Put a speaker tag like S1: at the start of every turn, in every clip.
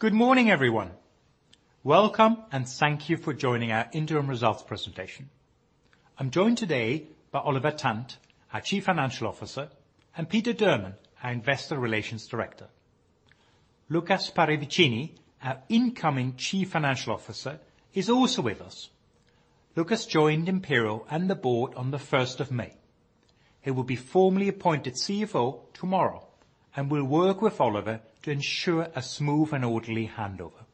S1: Good morning, everyone. Welcome, and thank you for joining our interim results presentation. I'm joined today by Oliver Tant, our Chief Financial Officer, and Peter Durman, our Investor Relations Director. Lukas Paravicini, our incoming Chief Financial Officer, is also with us. Lukas joined Imperial and the board on the May 1st, 2021. He will be formally appointed CFO tomorrow and will work with Oliver to ensure a smooth and orderly handover.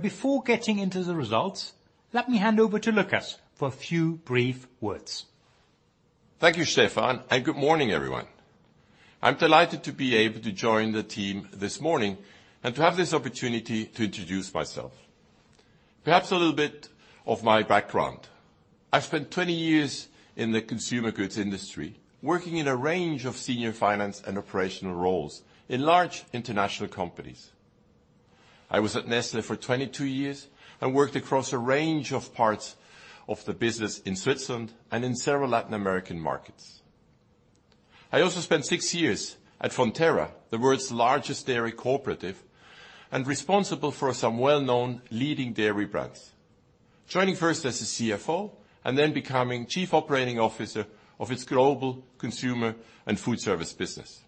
S1: Before getting into the results, let me hand over to Lukas for a few brief words.
S2: Thank you Stefan, and good morning, everyone. I'm delighted to be able to join the team this morning and to have this opportunity to introduce myself. Perhaps a little bit of my background. I've spent 20 years in the consumer goods industry, working in a range of senior finance and operational roles in large international companies. I was at Nestlé for 22 years and worked across a range of parts of the business in Switzerland and in several Latin American markets. I also spent six years at Fonterra, the world's largest dairy cooperative, and responsible for some well-known leading dairy brands, joining first as a CFO and then becoming Chief Operating Officer of its global consumer and foodservice business.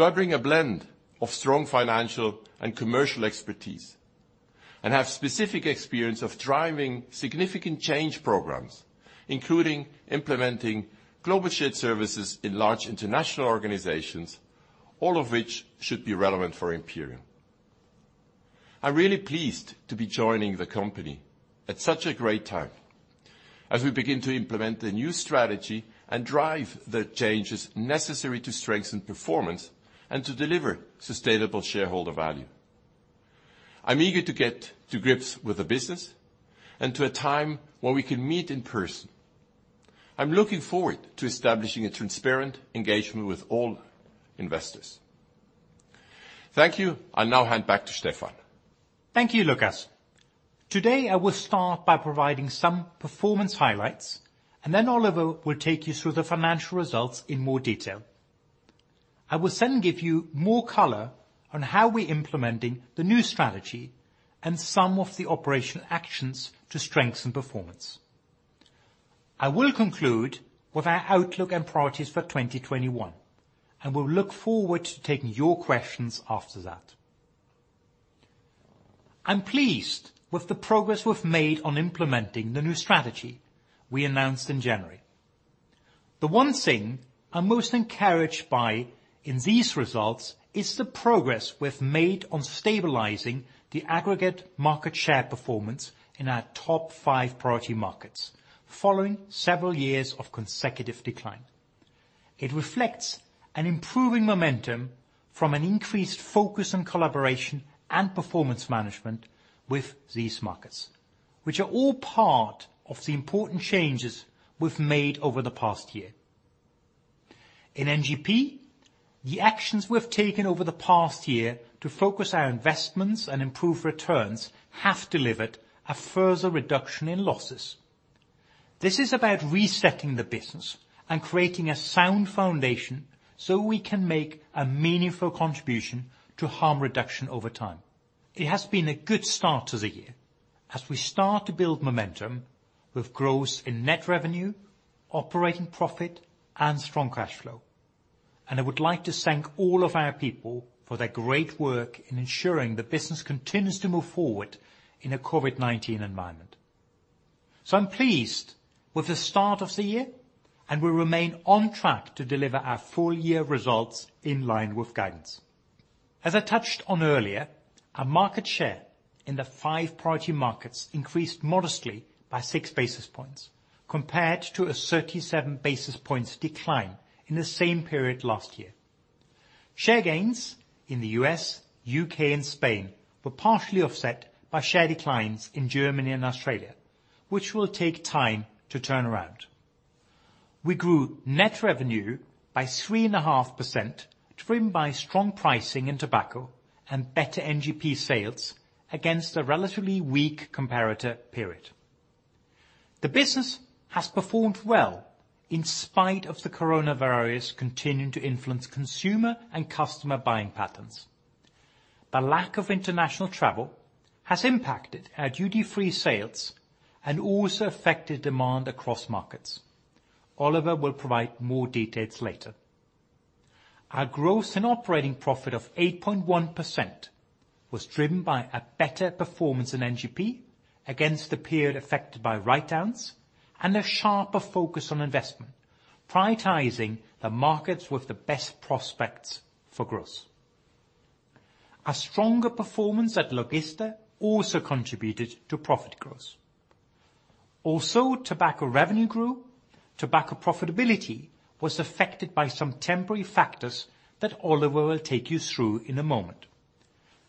S2: I bring a blend of strong financial and commercial expertise and have specific experience of driving significant change programs, including implementing global shared services in large international organizations, all of which should be relevant for Imperial. I'm really pleased to be joining the company at such a great time as we begin to implement the new strategy and drive the changes necessary to strengthen performance and to deliver sustainable shareholder value. I'm eager to get to grips with the business and to a time when we can meet in person. I'm looking forward to establishing a transparent engagement with all investors. Thank you. I'll now hand back to Stefan.
S1: Thank you, Lukas. Today, I will start by providing some performance highlights, and then Oliver will take you through the financial results in more detail. I will give you more color on how we're implementing the new strategy and some of the operational actions to strengthen performance. I will conclude with our outlook and priorities for 2021 and will look forward to taking your questions after that. I'm pleased with the progress we've made on implementing the new strategy we announced in January. The one thing I'm most encouraged by in these results is the progress we've made on stabilizing the aggregate market share performance in our top five priority markets following several years of consecutive decline. It reflects an improving momentum from an increased focus on collaboration and performance management with these markets, which are all part of the important changes we've made over the past year. In NGP, the actions we've taken over the past year to focus our investments and improve returns have delivered a further reduction in losses. This is about resetting the business and creating a sound foundation so we can make a meaningful contribution to harm reduction over time. It has been a good start to the year as we start to build momentum with growth in net revenue, operating profit, and strong cash flow, and I would like to thank all of our people for their great work in ensuring the business continues to move forward in a COVID-19 environment. I'm pleased with the start of the year, and we remain on track to deliver our full year results in line with guidance. As I touched on earlier, our market share in the five priority markets increased modestly by 6 basis points compared to a 37 basis points decline in the same period last year. Share gains in the U.S., U.K., and Spain were partially offset by share declines in Germany and Australia, which will take time to turn around. We grew net revenue by 3.5%, driven by strong pricing in tobacco and better NGP sales against a relatively weak comparator period. The business has performed well in spite of the COVID-19 continuing to influence consumer and customer buying patterns. The lack of international travel has impacted our duty-free sales and also affected demand across markets. Oliver will provide more details later. Our growth in operating profit of 8.1% was driven by a better performance in NGP against the period affected by write-downs and a sharper focus on investment, prioritizing the markets with the best prospects for growth. A stronger performance at Logista also contributed to profit growth. Tobacco revenue grew. Tobacco profitability was affected by some temporary factors that Oliver will take you through in a moment.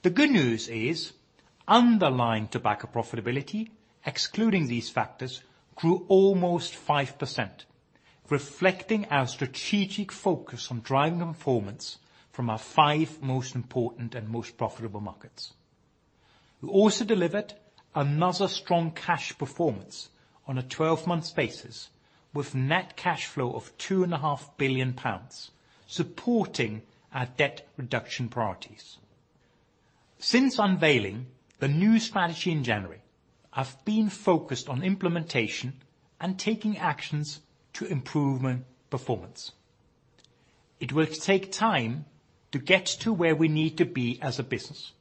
S1: The good news is underlying tobacco profitability, excluding these factors, grew almost 5%, reflecting our strategic focus on driving performance from our five most important and most profitable markets. We also delivered another strong cash performance on a 12-month basis, with net cash flow of £2.5 billion, supporting our debt reduction priorities. Since unveiling the new strategy in January, I've been focused on implementation and taking actions to improve on performance. It will take time to get to where we need to be as a business,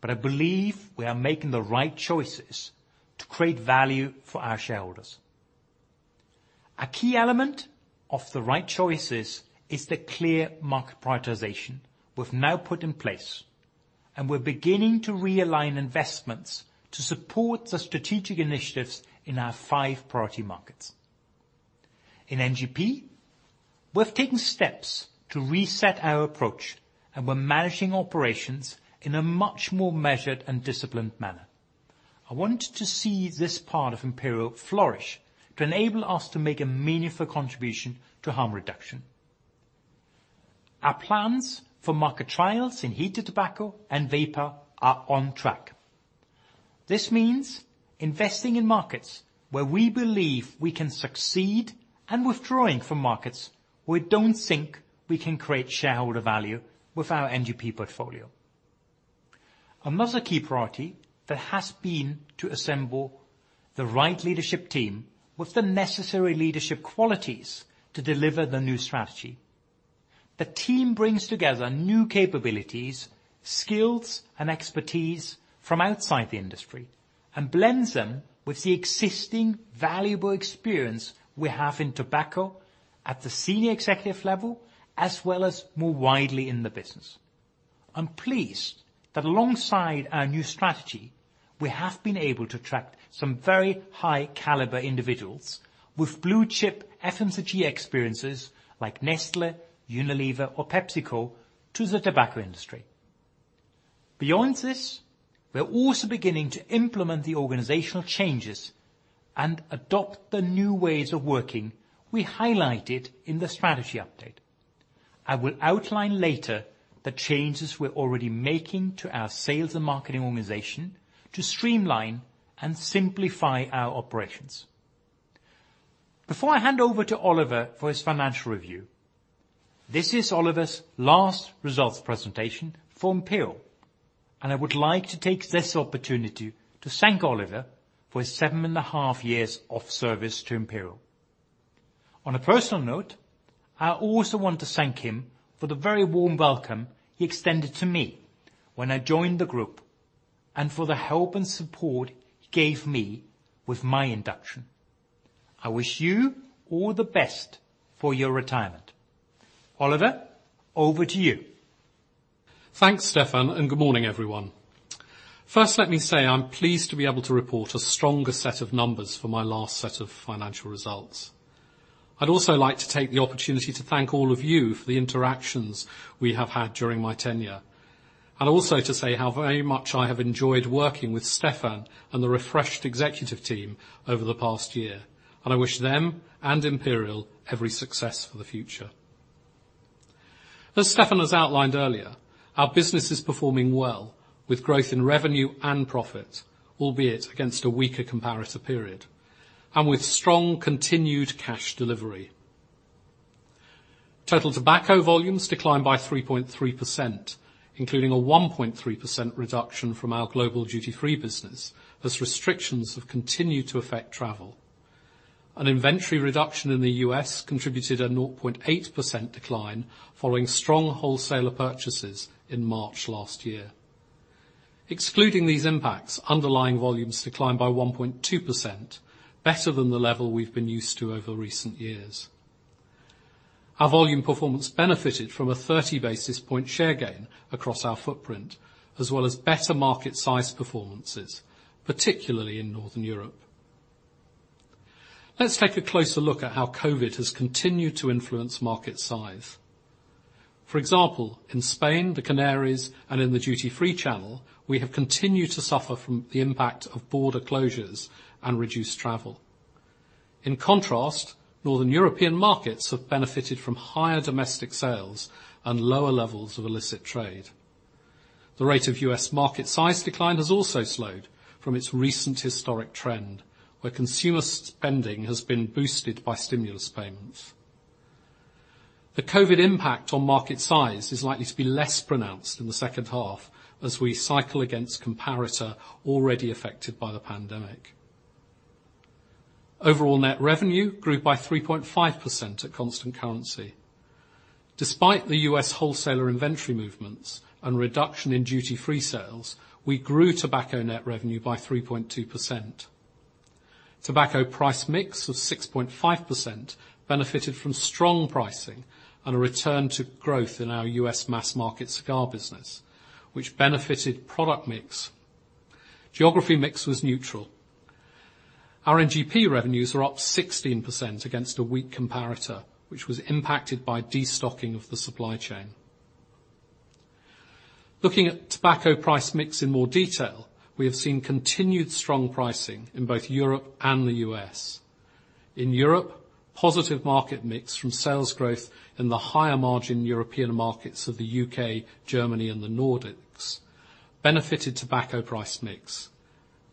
S1: but I believe we are making the right choices to create value for our shareholders. A key element of the right choices is the clear market prioritization we've now put in place, and we're beginning to realign investments to support the strategic initiatives in our five priority markets. In NGP, we've taken steps to reset our approach, and we're managing operations in a much more measured and disciplined manner. I wanted to see this part of Imperial flourish to enable us to make a meaningful contribution to harm reduction. Our plans for market trials in heated tobacco and vapor are on track. This means investing in markets where we believe we can succeed and withdrawing from markets where we don't think we can create shareholder value with our NGP portfolio. Another key priority has been to assemble the right leadership team with the necessary leadership qualities to deliver the new strategy. The team brings together new capabilities, skills, and expertise from outside the industry and blends them with the existing valuable experience we have in tobacco at the senior executive level, as well as more widely in the business. I'm pleased that alongside our new strategy, we have been able to attract some very high-caliber individuals with blue-chip FMCG experiences, like Nestlé, Unilever, or PepsiCo, to the tobacco industry. We're also beginning to implement the organizational changes and adopt the new ways of working we highlighted in the strategy update. I will outline later the changes we're already making to our sales and marketing organization to streamline and simplify our operations. Before I hand over to Oliver for his financial review, this is Oliver's last results presentation for Imperial, and I would like to take this opportunity to thank Oliver for his 7.5 Years of service to Imperial. On a personal note, I also want to thank him for the very warm welcome he extended to me when I joined the group and for the help and support he gave me with my induction. I wish you all the best for your retirement. Oliver, over to you.
S3: Thanks, Stefan and good morning, everyone. First, let me say I'm pleased to be able to report a stronger set of numbers for my last set of financial results. I'd also like to take the opportunity to thank all of you for the interactions we have had during my tenure, and also to say how very much I have enjoyed working with Stefan and the refreshed executive team over the past year, and I wish them and Imperial every success for the future. As Stefan has outlined earlier, our business is performing well, with growth in revenue and profit, albeit against a weaker comparator period, and with strong continued cash delivery. Total tobacco volumes declined by 3.3%, including a 1.3% reduction from our global duty-free business, as restrictions have continued to affect travel. An inventory reduction in the U.S. contributed a 0.8% decline following strong wholesaler purchases in March last year. Excluding these impacts, underlying volumes declined by 1.2%, better than the level we've been used to over recent years. Our volume performance benefited from a 30 basis point share gain across our footprint, as well as better market size performances, particularly in Northern Europe. Let's take a closer look at how COVID-19 has continued to influence market size. For example, in Spain, the Canaries, and in the duty-free channel, we have continued to suffer from the impact of border closures and reduced travel. In contrast, Northern European markets have benefited from higher domestic sales and lower levels of illicit trade. The rate of U.S. market size decline has also slowed from its recent historic trend, where consumer spending has been boosted by stimulus payments. The COVID-19 impact on market size is likely to be less pronounced in the second half as we cycle against comparator already affected by the pandemic. Overall net revenue grew by 3.5% at constant currency. Despite the U.S. wholesaler inventory movements and reduction in duty-free sales, we grew tobacco net revenue by 3.2%. Tobacco price mix was 6.5%, benefited from strong pricing and a return to growth in our U.S. mass-market cigar business, which benefited product mix. Geography mix was neutral. Our NGP revenues are up 16% against a weak comparator, which was impacted by destocking of the supply chain. Looking at tobacco price mix in more detail, we have seen continued strong pricing in both Europe and the U.S. In Europe, positive market mix from sales growth in the higher margin European markets of the U.K., Germany, and the Nordics benefited tobacco price mix.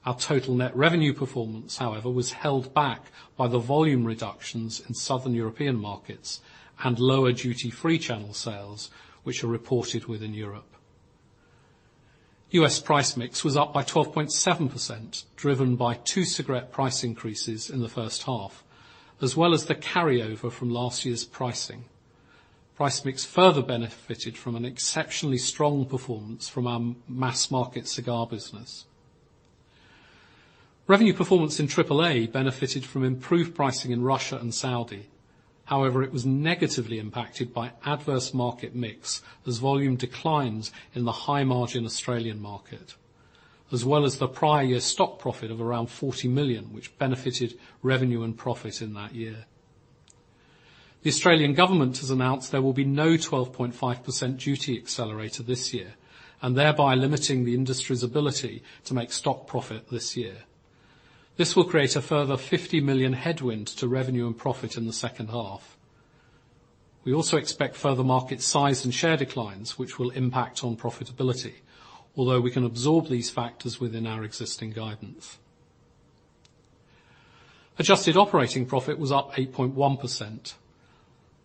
S3: Our total net revenue performance, however, was held back by the volume reductions in Southern European markets and lower duty-free channel sales, which are reported within Europe. U.S. price mix was up by 12.7%, driven by two cigarette price increases in the first half, as well as the carryover from last year's pricing. Price mix further benefited from an exceptionally strong performance from our mass-market cigar business. Revenue performance in AAA benefited from improved pricing in Russia and Saudi. However, it was negatively impacted by adverse market mix as volume declines in the high margin Australian market, as well as the prior year stock profit of around 40 million, which benefited revenue and profit in that year. The Australian government has announced there will be no 12.5% duty accelerator this year, and thereby limiting the industry's ability to make stock profit this year. This will create a further 50 million headwinds to revenue and profit in the second half. We also expect further market size and share declines, which will impact on profitability, although we can absorb these factors within our existing guidance. Adjusted Operating Profit was up 8.1%.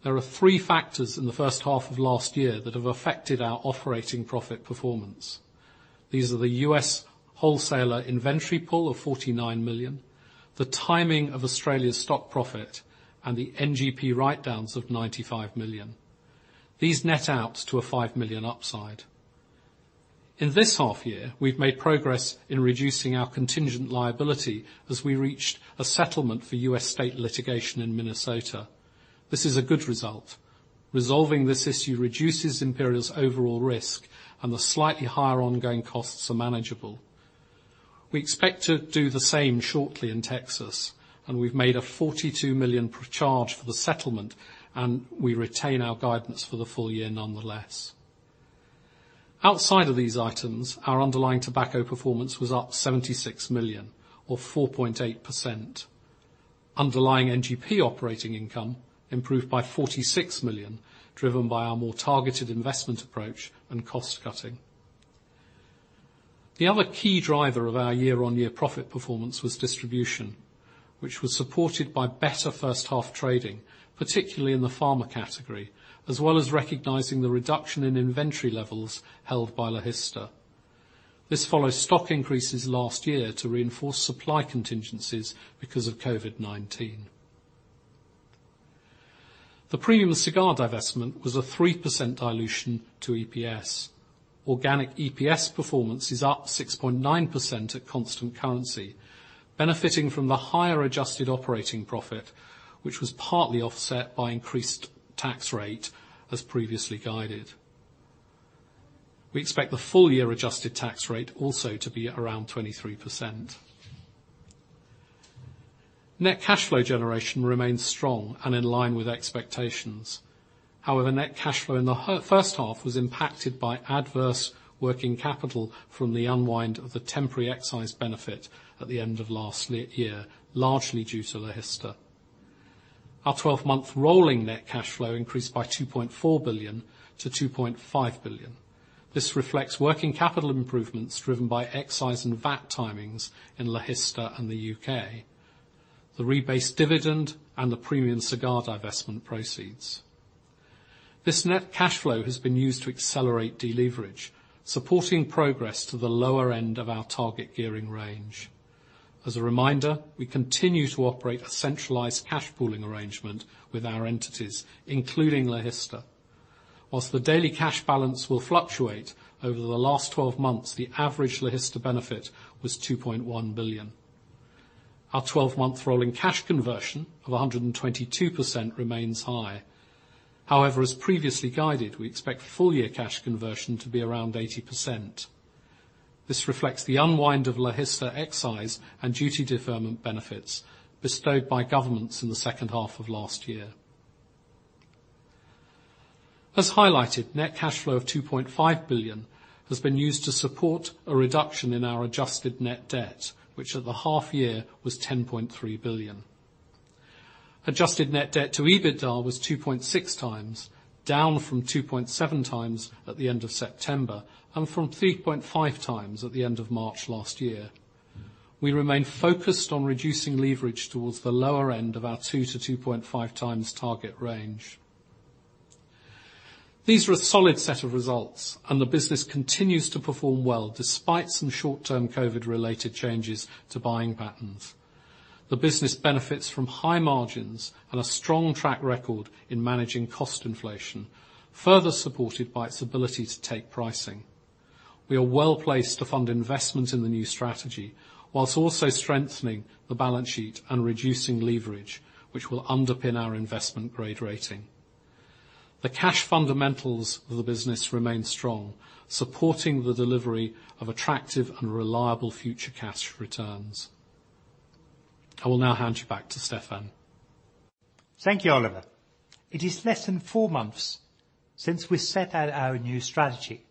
S3: There are three factors in the first half of last year that have affected our operating profit performance. These are the U.S. wholesaler inventory pull of 49 million, the timing of Australia's stock profit, and the NGP write-downs of 95 million. These net out to a 5 million upside. In this half year, we've made progress in reducing our contingent liability as we reached a settlement for U.S. state litigation in Minnesota. This is a good result. Resolving this issue reduces Imperial's overall risk, and the slightly higher ongoing costs are manageable. We expect to do the same shortly in Texas. We've made a 42 million charge for the settlement. We retain our guidance for the full-year nonetheless. Outside of these items, our underlying tobacco performance was up 76 million or 4.8%. Underlying NGP operating income improved by 46 million, driven by our more targeted investment approach and cost cutting. The other key driver of our year-on-year profit performance was distribution, which was supported by better first half trading, particularly in the pharma category, as well as recognizing the reduction in inventory levels held by Logista. This follows stock increases last year to reinforce supply contingencies because of COVID-19. The Premium Cigar divestment was a 3% dilution to EPS. Organic EPS performance is up 6.9% at constant currency, benefiting from the higher Adjusted Operating Profit, which was partly offset by increased tax rate as previously guided. We expect the full year adjusted tax rate also to be at around 23%. Net cash flow generation remains strong and in line with expectations. However, net cash flow in the first half was impacted by adverse working capital from the unwind of the temporary excise benefit at the end of last year, largely due to Logista. Our 12-month rolling net cash flow increased by 2.4 billion-2.5 billion. This reflects working capital improvements driven by excise and VAT timings in Logista and the U.K., the rebased dividend, and the Premium Cigar divestment proceeds. This net cash flow has been used to accelerate deleverage, supporting progress to the lower end of our target gearing range. As a reminder, we continue to operate a centralized cash pooling arrangement with our entities, including Logista. Whilst the daily cash balance will fluctuate, over the last 12 months, the average Logista benefit was 2.1 billion. Our 12-month rolling cash conversion of 122% remains high. As previously guided, we expect full-year cash conversion to be around 80%. This reflects the unwind of Logista excise and duty deferment benefits bestowed by governments in the second half of last year. As highlighted, net cash flow of 2.5 billion has been used to support a reduction in our adjusted net debt, which at the half-year was 10.3 billion. Adjusted net debt to EBITDA was 2.6x, down from 2.7x at the end of September and from 3.5x at the end of March last year. We remain focused on reducing leverage towards the lower end of our 2-2.5x target range. These are a solid set of results, and the business continues to perform well despite some short-term COVID-related changes to buying patterns. The business benefits from high margins and a strong track record in managing cost inflation, further supported by its ability to take pricing. We are well-placed to fund investment in the new strategy while also strengthening the balance sheet and reducing leverage, which will underpin our investment-grade rating. The cash fundamentals of the business remain strong, supporting the delivery of attractive and reliable future cash returns. I will now hand you back to Stefan.
S1: Thank you, Oliver. It is less than four months since we set out our new strategy.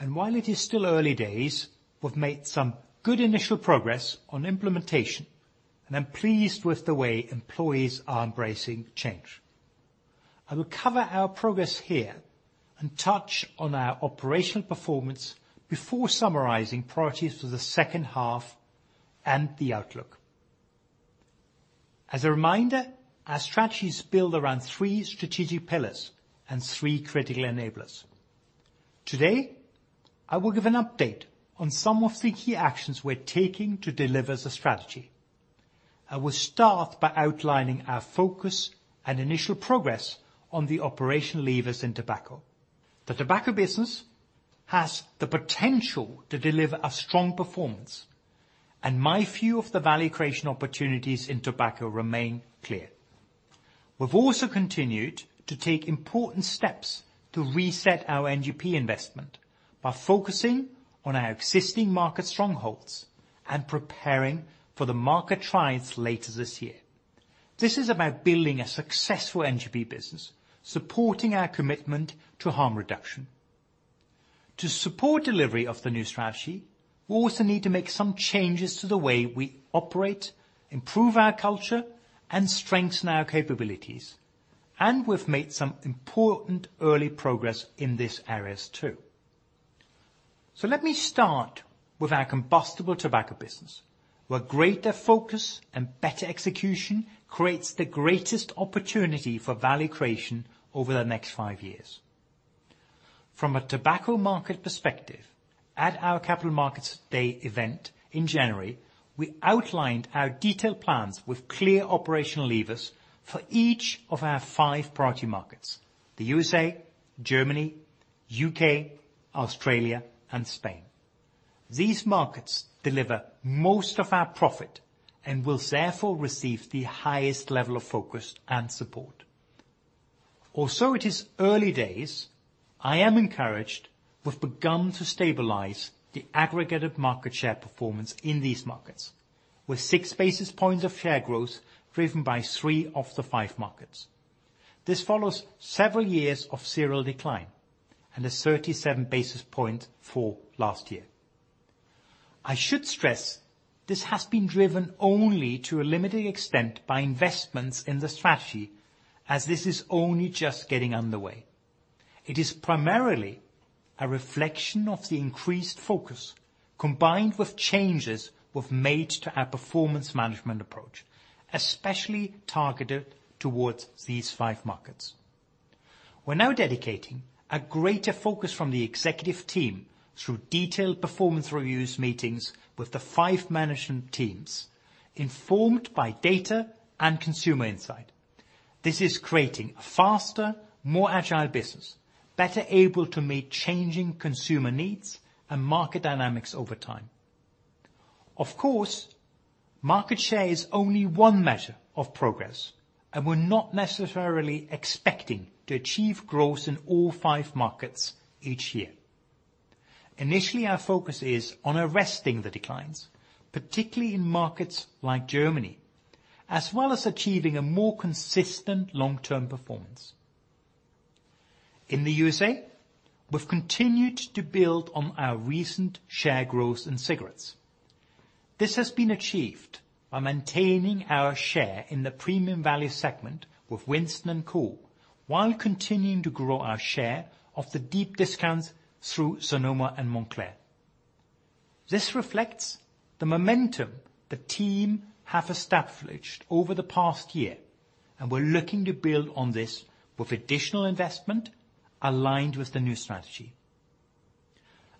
S1: While it is still early days, we've made some good initial progress on implementation, and I'm pleased with the way employees are embracing change. I will cover our progress here and touch on our operational performance before summarizing priorities for the second half and the outlook. As a reminder, our strategy is built around three strategic pillars and three critical enablers. Today, I will give an update on some of the key actions we're taking to deliver the strategy. I will start by outlining our focus and initial progress on the operational levers in tobacco. The tobacco business has the potential to deliver a strong performance, and my view of the value creation opportunities in tobacco remain clear. We've also continued to take important steps to reset our NGP investment by focusing on our existing market strongholds and preparing for the market trials later this year. This is about building a successful NGP business, supporting our commitment to harm reduction. To support delivery of the new strategy, we also need to make some changes to the way we operate, improve our culture, and strengthen our capabilities. We've made some important early progress in these areas, too. Let me start with our combustible tobacco business, where greater focus and better execution creates the greatest opportunity for value creation over the next five years. From a tobacco market perspective, at our Capital Markets Day event in January, we outlined our detailed plans with clear operational levers for each of our five priority markets, the U.S.A., Germany, U.K., Australia, and Spain. These markets deliver most of our profit and will therefore receive the highest level of focus and support. It is early days, I am encouraged we've begun to stabilize the aggregated market share performance in these markets, with 6 basis points of share growth driven by three of the five markets. This follows several years of serial decline and a 37 basis point fall last year. I should stress this has been driven only to a limited extent by investments in the strategy, as this is only just getting underway. It is primarily a reflection of the increased focus combined with changes we've made to our performance management approach, especially targeted towards these five markets. We're now dedicating a greater focus from the executive team through detailed performance reviews meetings with the five management teams, informed by data and consumer insight. This is creating a faster, more agile business, better able to meet changing consumer needs and market dynamics over time. Of course, market share is only one measure of progress, and we're not necessarily expecting to achieve growth in all five markets each year. Initially, our focus is on arresting the declines, particularly in markets like Germany, as well as achieving a more consistent long-term performance. In the USA, we've continued to build on our recent share growth in cigarettes. This has been achieved by maintaining our share in the premium value segment with Winston and Kool, while continuing to grow our share of the deep-discounts through Sonoma and Montclair. This reflects the momentum the team have established over the past year, and we're looking to build on this with additional investment aligned with the new strategy.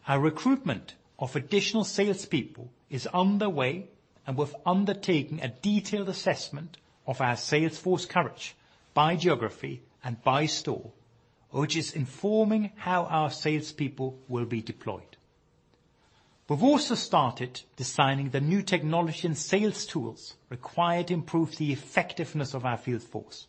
S1: Our recruitment of additional salespeople is underway, and we're undertaking a detailed assessment of our sales force coverage by geography and by store, which is informing how our salespeople will be deployed. We've also started designing the new technology and sales tools required to improve the effectiveness of our field force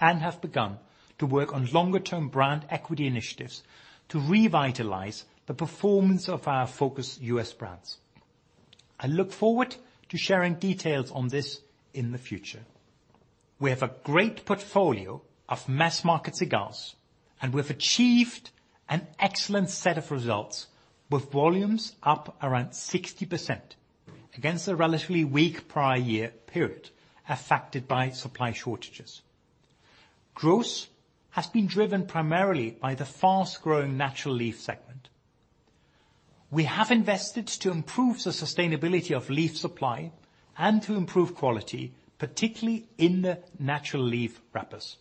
S1: and have begun to work on longer-term brand equity initiatives to revitalize the performance of our focused U.S. brands. I look forward to sharing details on this in the future. We have a great portfolio of mass-market cigars, and we've achieved an excellent set of results with volumes up around 60% against a relatively weak prior-year period affected by supply shortages. Growth has been driven primarily by the fast-growing natural leaf segment. We have invested to improve the sustainability of leaf supply and to improve quality, particularly in the natural leaf wrappers.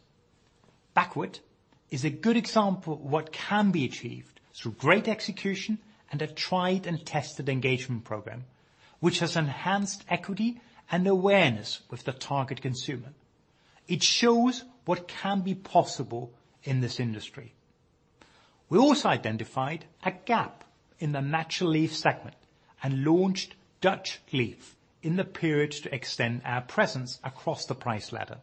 S1: Backwoods is a good example of what can be achieved through great execution and a tried and tested engagement program, which has enhanced equity and awareness with the target consumer. It shows what can be possible in this industry. We also identified a gap in the natural leaf segment and launched Dutch Leaf in the period to extend our presence across the price ladder.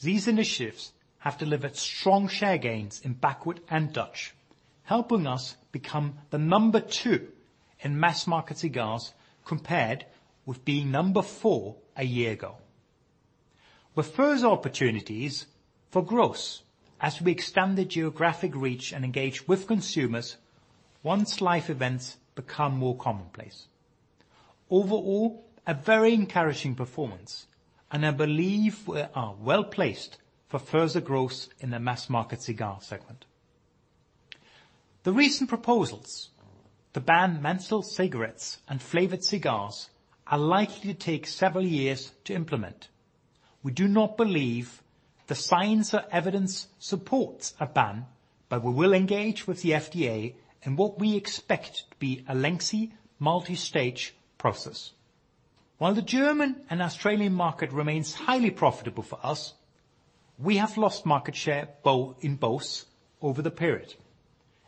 S1: These initiatives have delivered strong share gains in Backwoods and Dutch, helping us become the number two in mass-market cigars compared with being number four a year ago. With further opportunities for growth as we extend the geographic reach and engage with consumers once life events become more commonplace. Overall, a very encouraging performance, I believe we are well-placed for further growth in the mass-market cigar segment. The recent proposals to ban menthol cigarettes and flavored cigars are likely to take several years to implement. We do not believe the science or evidence supports a ban, but we will engage with the FDA in what we expect to be a lengthy, multi-stage process. While the German and Australian market remains highly profitable for us, we have lost market share in both over the period.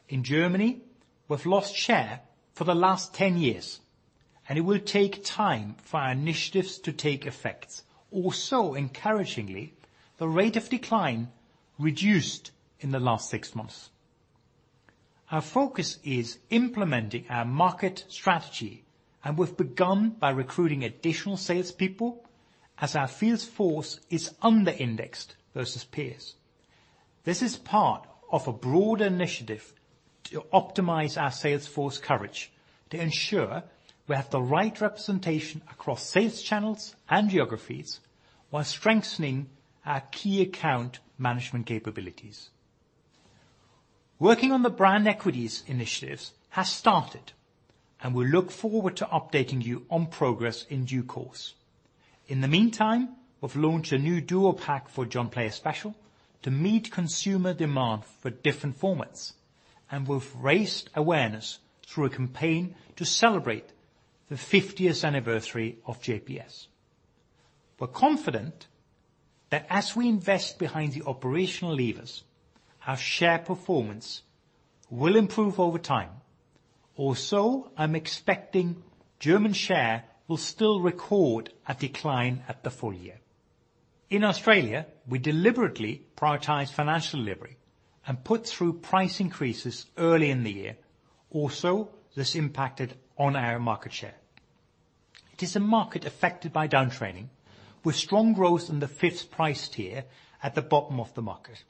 S1: In Germany, we've lost share for the last 10 years, and it will take time for our initiatives to take effect. Also encouragingly, the rate of decline reduced in the last six months. Our focus is implementing our market strategy, and we've begun by recruiting additional salespeople as our field force is under-indexed versus peers. This is part of a broad initiative to optimize our sales force coverage to ensure we have the right representation across sales channels and geographies while strengthening our key account management capabilities. Working on the brand equities initiatives has started, and we look forward to updating you on progress in due course. In the meantime, we've launched a new dual pack for Jon Player Special to meet consumer demand for different formats, and we've raised awareness through a campaign to celebrate the 50th anniversary of JPS. We're confident that as we invest behind the operational levers, our share performance will improve over time. I'm expecting German share will still record a decline at the full year. In Australia, we deliberately prioritized financial delivery and put through price increases early in the year. This impacted on our market share. It is a market affected by downtrading with strong growth in the 5th price tier at the bottom of the market.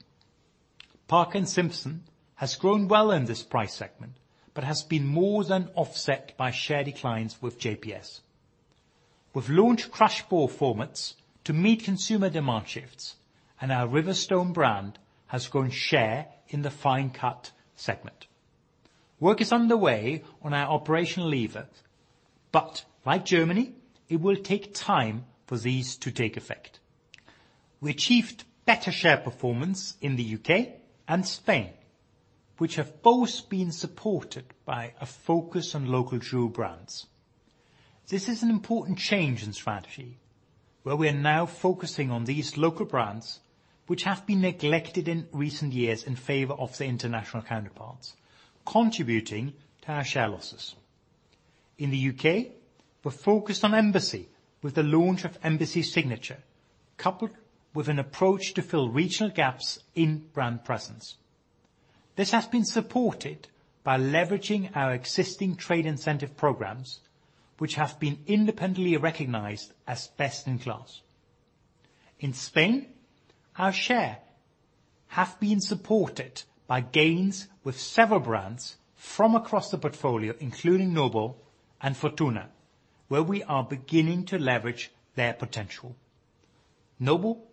S1: Parker & Simpson has grown well in this price segment but has been more than offset by share declines with JPS. We've launched CrushBall formats to meet consumer demand shifts, and our Riverstone brand has grown share in the fine cut segment. Work is underway on our operational lever, but like Germany, it will take time for these to take effect. We achieved better share performance in the U.K. and Spain, which have both been supported by a focus on local jewel brands. This is an important change in strategy, where we are now focusing on these local brands, which have been neglected in recent years in favor of their international counterparts, contributing to our share losses. In the U.K., we're focused on Embassy with the launch of Embassy Signature, coupled with an approach to fill regional gaps in brand presence. This has been supported by leveraging our existing trade incentive programs, which have been independently recognized as best in class. In Spain, our share has been supported by gains with several brands from across the portfolio, including Nobel and Fortuna, where we are beginning to leverage their potential. Nobel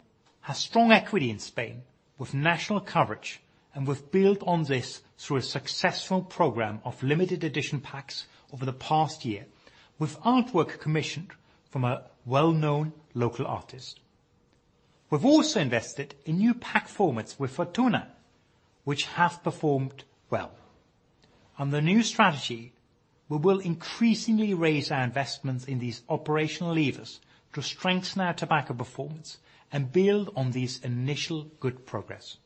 S1: has strong equity in Spain with national coverage, and we've built on this through a successful program of limited edition packs over the past year with artwork commissioned from a well-known local artist. We've also invested in new pack formats with Fortuna, which have performed well. On the new strategy, we will increasingly raise our investments in these operational levers to strengthen our tobacco performance and build on this initial good progress.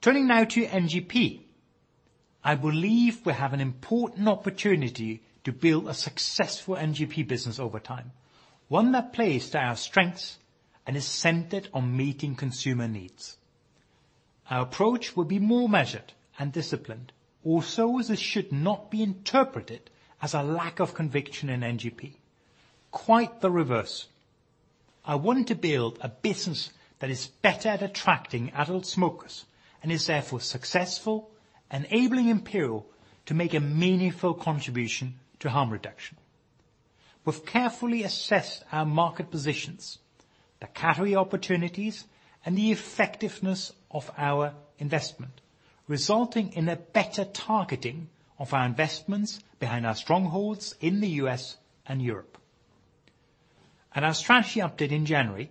S1: Turning now to NGP, I believe we have an important opportunity to build a successful NGP business over time, one that plays to our strengths and is centered on meeting consumer needs. Our approach will be more measured and disciplined, also as it should not be interpreted as a lack of conviction in NGP. Quite the reverse. I wanted to build a business that is better at attracting adult smokers and is therefore successful, enabling Imperial to make a meaningful contribution to harm reduction. We've carefully assessed our market positions, the category opportunities, and the effectiveness of our investment, resulting in a better targeting of our investments behind our strongholds in the U.S. and Europe. At our strategy update in January,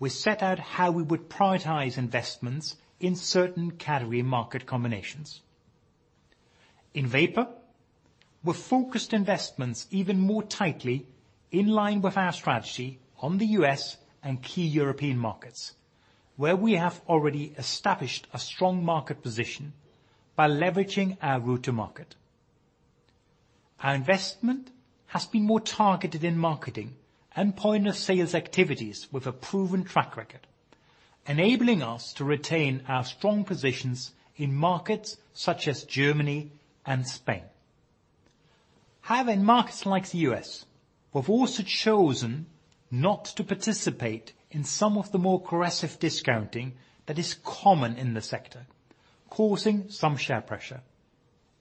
S1: we set out how we would prioritize investments in certain category market combinations. In vapor, we've focused investments even more tightly in line with our strategy on the U.S. and key European markets, where we have already established a strong market position by leveraging our route-to-market. Our investment has been more targeted in marketing and point-of-sales activities with a proven track record, enabling us to retain our strong positions in markets such as Germany and Spain. In markets like the U.S., we've also chosen not to participate in some of the more aggressive discounting that is common in the sector, causing some share pressure.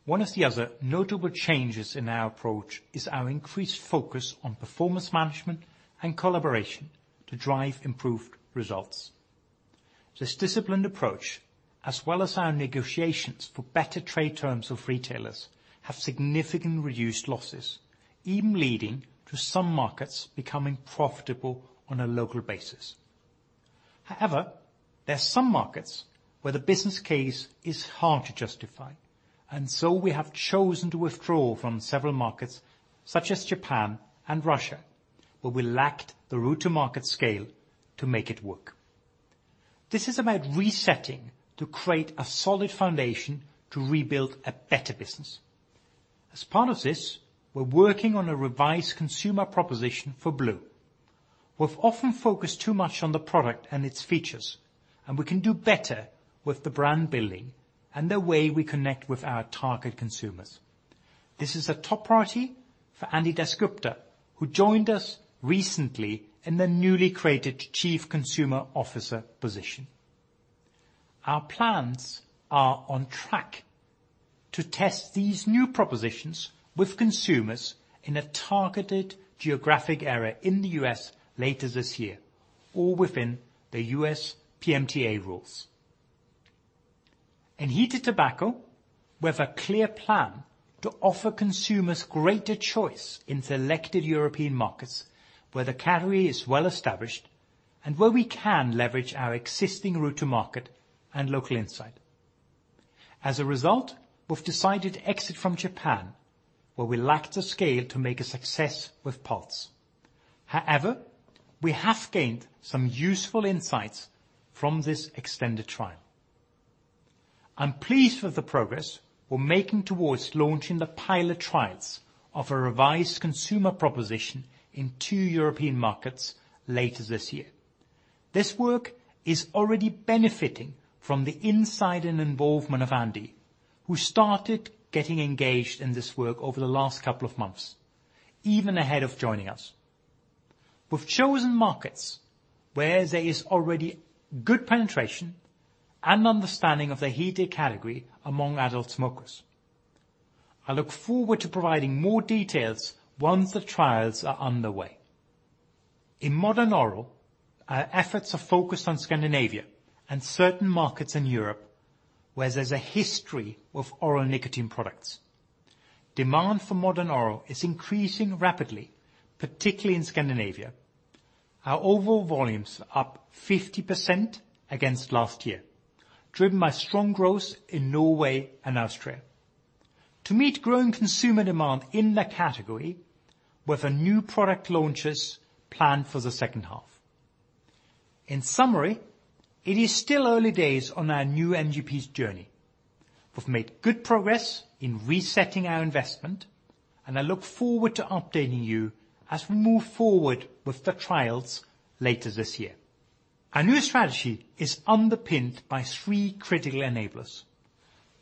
S1: One of the other notable changes in our approach is our increased focus on performance management and collaboration to drive improved results. This disciplined approach, as well as our negotiations for better trade terms with retailers, have significantly reduced losses, even leading to some markets becoming profitable on a local basis. There are some markets where the business case is hard to justify, and so we have chosen to withdraw from several markets, such as Japan and Russia, where we lacked the route-to-market scale to make it work. This is about resetting to create a solid foundation to rebuild a better business. We're working on a revised consumer proposition for blu. We've often focused too much on the product and its features, and we can do better with the brand building and the way we connect with our target consumers. This is a top priority for Anindya Dasgupta, who joined us recently in the newly created Chief Consumer Officer position. Our plans are on track to test these new propositions with consumers in a targeted geographic area in the U.S. later this year, all within the U.S. PMTA rules. In heated tobacco, we have a clear plan to offer consumers greater choice in selected European markets where the category is well established and where we can leverage our existing route to market and local insight. As a result, we've decided to exit from Japan, where we lacked the scale to make a success with Pulze. However, we have gained some useful insights from this extended trial. I'm pleased with the progress we're making towards launching the pilot trials of a revised consumer proposition in two European markets later this year. This work is already benefiting from the insight and involvement of Andy, who started getting engaged in this work over the last couple of months, even ahead of joining us. We've chosen markets where there is already good penetration and understanding of the heated category among adult smokers. I look forward to providing more details once the trials are underway. In modern oral, our efforts are focused on Scandinavia and certain markets in Europe where there's a history with oral nicotine products. Demand for modern oral is increasing rapidly, particularly in Scandinavia. Our overall volumes are up 50% against last year, driven by strong growth in Norway and Austria. To meet growing consumer demand in that category, we have new product launches planned for the second half. In summary, it is still early days on our new NGP's journey. We've made good progress in resetting our investment, and I look forward to updating you as we move forward with the trials later this year. Our new strategy is underpinned by three critical enablers,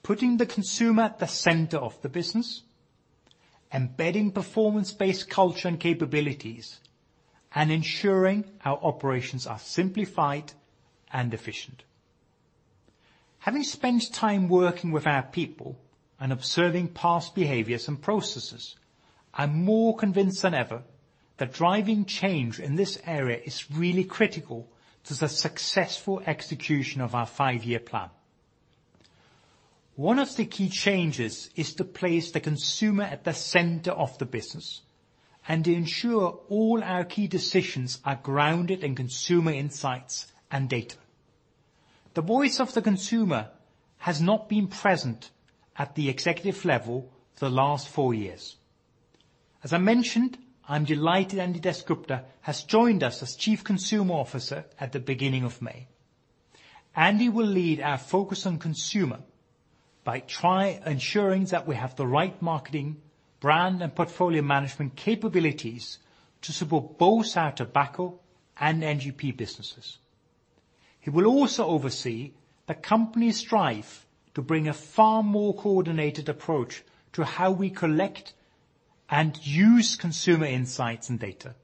S1: putting the consumer at the center of the business, embedding performance-based culture and capabilities, and ensuring our operations are simplified and efficient. Having spent time working with our people and observing past behaviors and processes, I'm more convinced than ever that driving change in this area is really critical to the successful execution of our five-year plan. One of the key changes is to place the consumer at the center of the business and ensure all our key decisions are grounded in consumer insights and data. The voice of the consumer has not been present at the executive level for the last four years. As I mentioned, I'm delighted Anindya Dasgupta has joined us as Chief Consumer Officer at the beginning of May. Andy will lead our focus on consumer by ensuring that we have the right marketing, brand, and portfolio management capabilities to support both our tobacco and NGP businesses. He will also oversee the company's strive to bring a far more coordinated approach to how we collect and use consumer insights and data.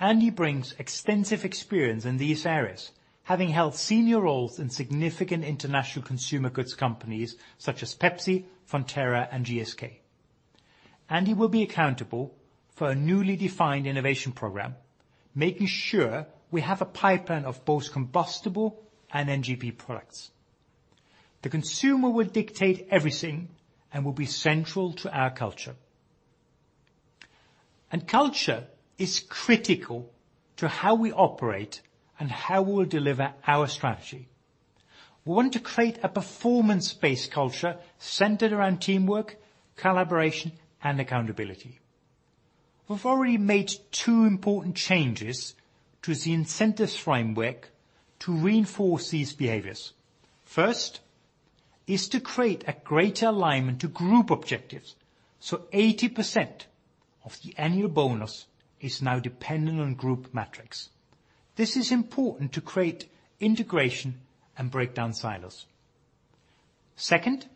S1: Anindya brings extensive experience in these areas, having held senior roles in significant international consumer goods companies such as PepsiCo, Fonterra, and GSK. Anindya will be accountable for a newly defined Innovation Program, making sure we have a pipeline of both combustible and NGP products. The consumer will dictate everything and will be central to our culture. Culture is critical to how we operate and how we'll deliver our strategy. We want to create a performance-based culture centered around teamwork, collaboration, and accountability. We've already made two important changes to the incentives framework to reinforce these behaviors. First is to create a greater alignment to group objectives, so 80% of the annual bonus is now dependent on group metrics. This is important to create integration and break down silos. Second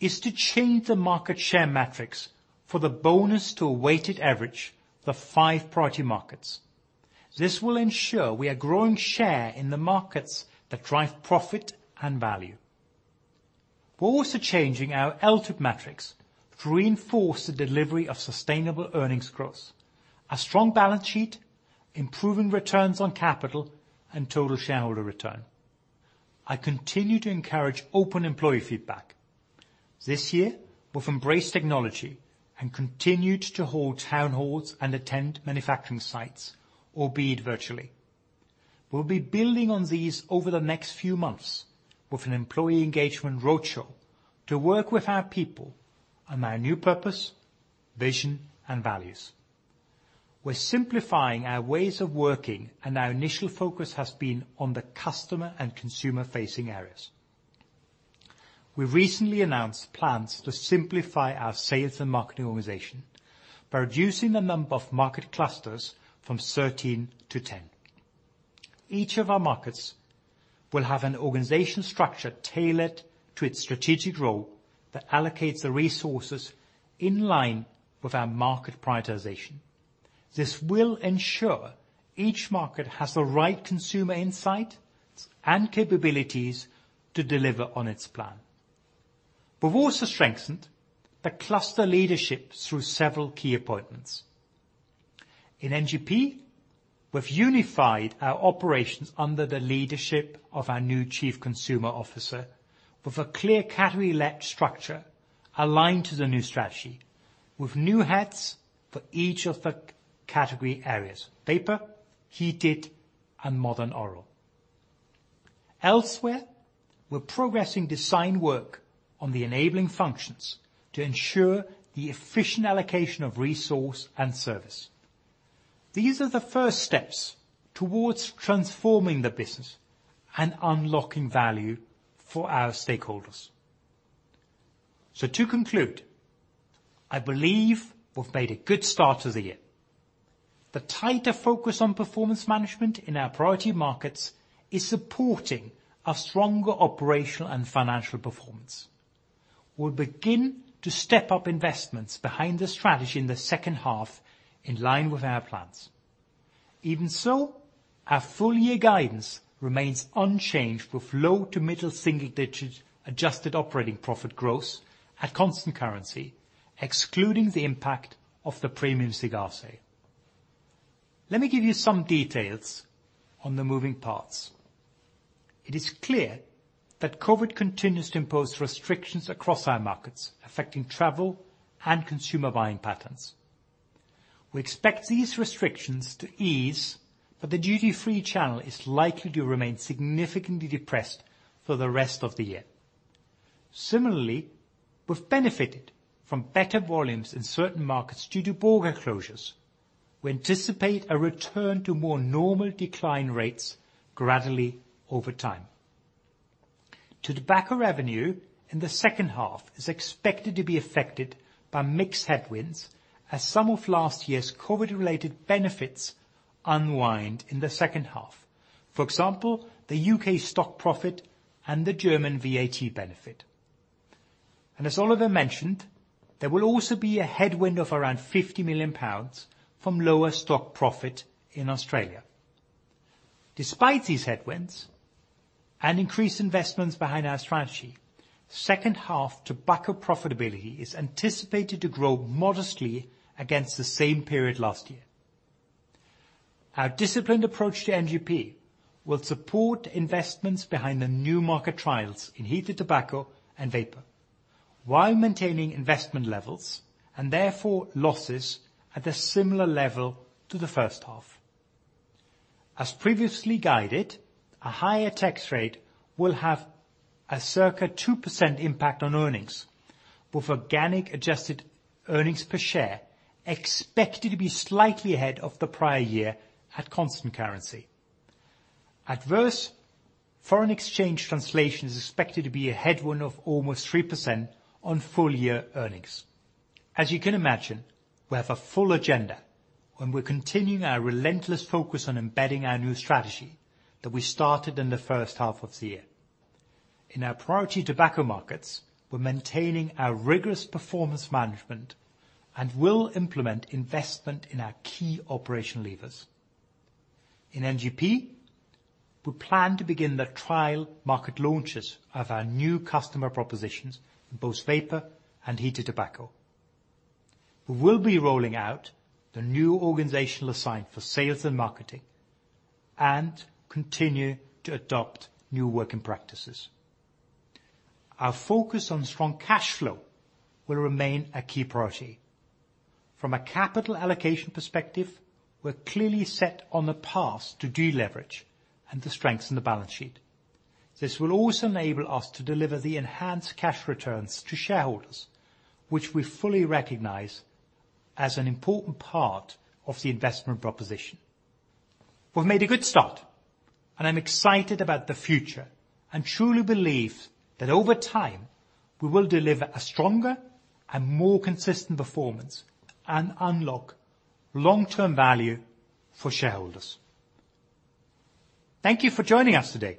S1: is to change the market share metrics for the bonus to a weighted average for five priority markets. This will ensure we are growing share in the markets that drive profit and value. We're also changing our LTIP metrics to reinforce the delivery of sustainable earnings growth, a strong balance sheet, improving returns on capital, and total shareholder return. I continue to encourage open employee feedback. This year, we've embraced technology and continued to hold town halls and attend manufacturing sites, albeit virtually. We'll be building on these over the next few months with an employee engagement roadshow to work with our people on our new purpose, vision, and values. We're simplifying our ways of working, and our initial focus has been on the customer and consumer-facing areas. We recently announced plans to simplify our sales and marketing organization by reducing the number of market clusters from 13 to 10. Each of our markets will have an organization structure tailored to its strategic role that allocates the resources in line with our market prioritization. This will ensure each market has the right consumer insights and capabilities to deliver on its plan. We've also strengthened the cluster leadership through several key appointments. In NGP, we've unified our operations under the leadership of our new Chief Consumer Officer with a clear category-led structure aligned to the new strategy, with new heads for each of the category areas, vapor, heated, and modern oral. Elsewhere, we're progressing design work on the enabling functions to ensure the efficient allocation of resource and service. These are the first steps towards transforming the business and unlocking value for our stakeholders. To conclude, I believe we've made a good start to the year. The tighter focus on performance management in our priority markets is supporting a stronger operational and financial performance. We'll begin to step up investments behind the strategy in the second half in line with our plans. Even so, our full year guidance remains unchanged with low to middle-single-digits Adjusted Operating Profit growth at constant currency, excluding the impact of the Premium Cigar sale. Let me give you some details on the moving parts. It is clear that COVID-19 continues to impose restrictions across our markets, affecting travel and consumer buying patterns. We expect these restrictions to ease, but the duty-free channel is likely to remain significantly depressed for the rest of the year. Similarly, we've benefited from better volumes in certain markets due to border closures. We anticipate a return to more normal decline rates gradually over time. Tobacco revenue in the second half is expected to be affected by mixed headwinds as some of last year's COVID-related benefits unwind in the second half. For example, the U.K. stock profit and the German VAT benefit. As Oliver mentioned, there will also be a headwind of around 50 million pounds from lower stock profit in Australia. Despite these headwinds and increased investments behind our strategy, second half tobacco profitability is anticipated to grow modestly against the same period last year. Our disciplined approach to NGP will support investments behind the new market trials in heated tobacco and vapor while maintaining investment levels and therefore losses at a similar level to the first half. As previously guided, a higher tax rate will have a circa 2% impact on earnings, with organic adjusted earnings per share expected to be slightly ahead of the prior year at constant currency. Adverse foreign exchange translation is expected to be a headwind of almost 3% on full year earnings. As you can imagine, we have a full agenda and we're continuing our relentless focus on embedding our new strategy that we started in the first half of the year. In our priority tobacco markets, we're maintaining our rigorous performance management and will implement investment in our key operational levers. In NGP, we plan to begin the trial market launches of our new customer propositions in both vapor and heated tobacco. We will be rolling out the new organizational design for sales and marketing and continue to adopt new working practices. Our focus on strong cash flow will remain a key priority. From a capital allocation perspective, we're clearly set on the path to deleverage and to strengthen the balance sheet. This will also enable us to deliver the enhanced cash returns to shareholders, which we fully recognize as an important part of the investment proposition. We've made a good start, and I'm excited about the future and truly believe that over time, we will deliver a stronger and more consistent performance and unlock long-term value for shareholders. Thank you for joining us today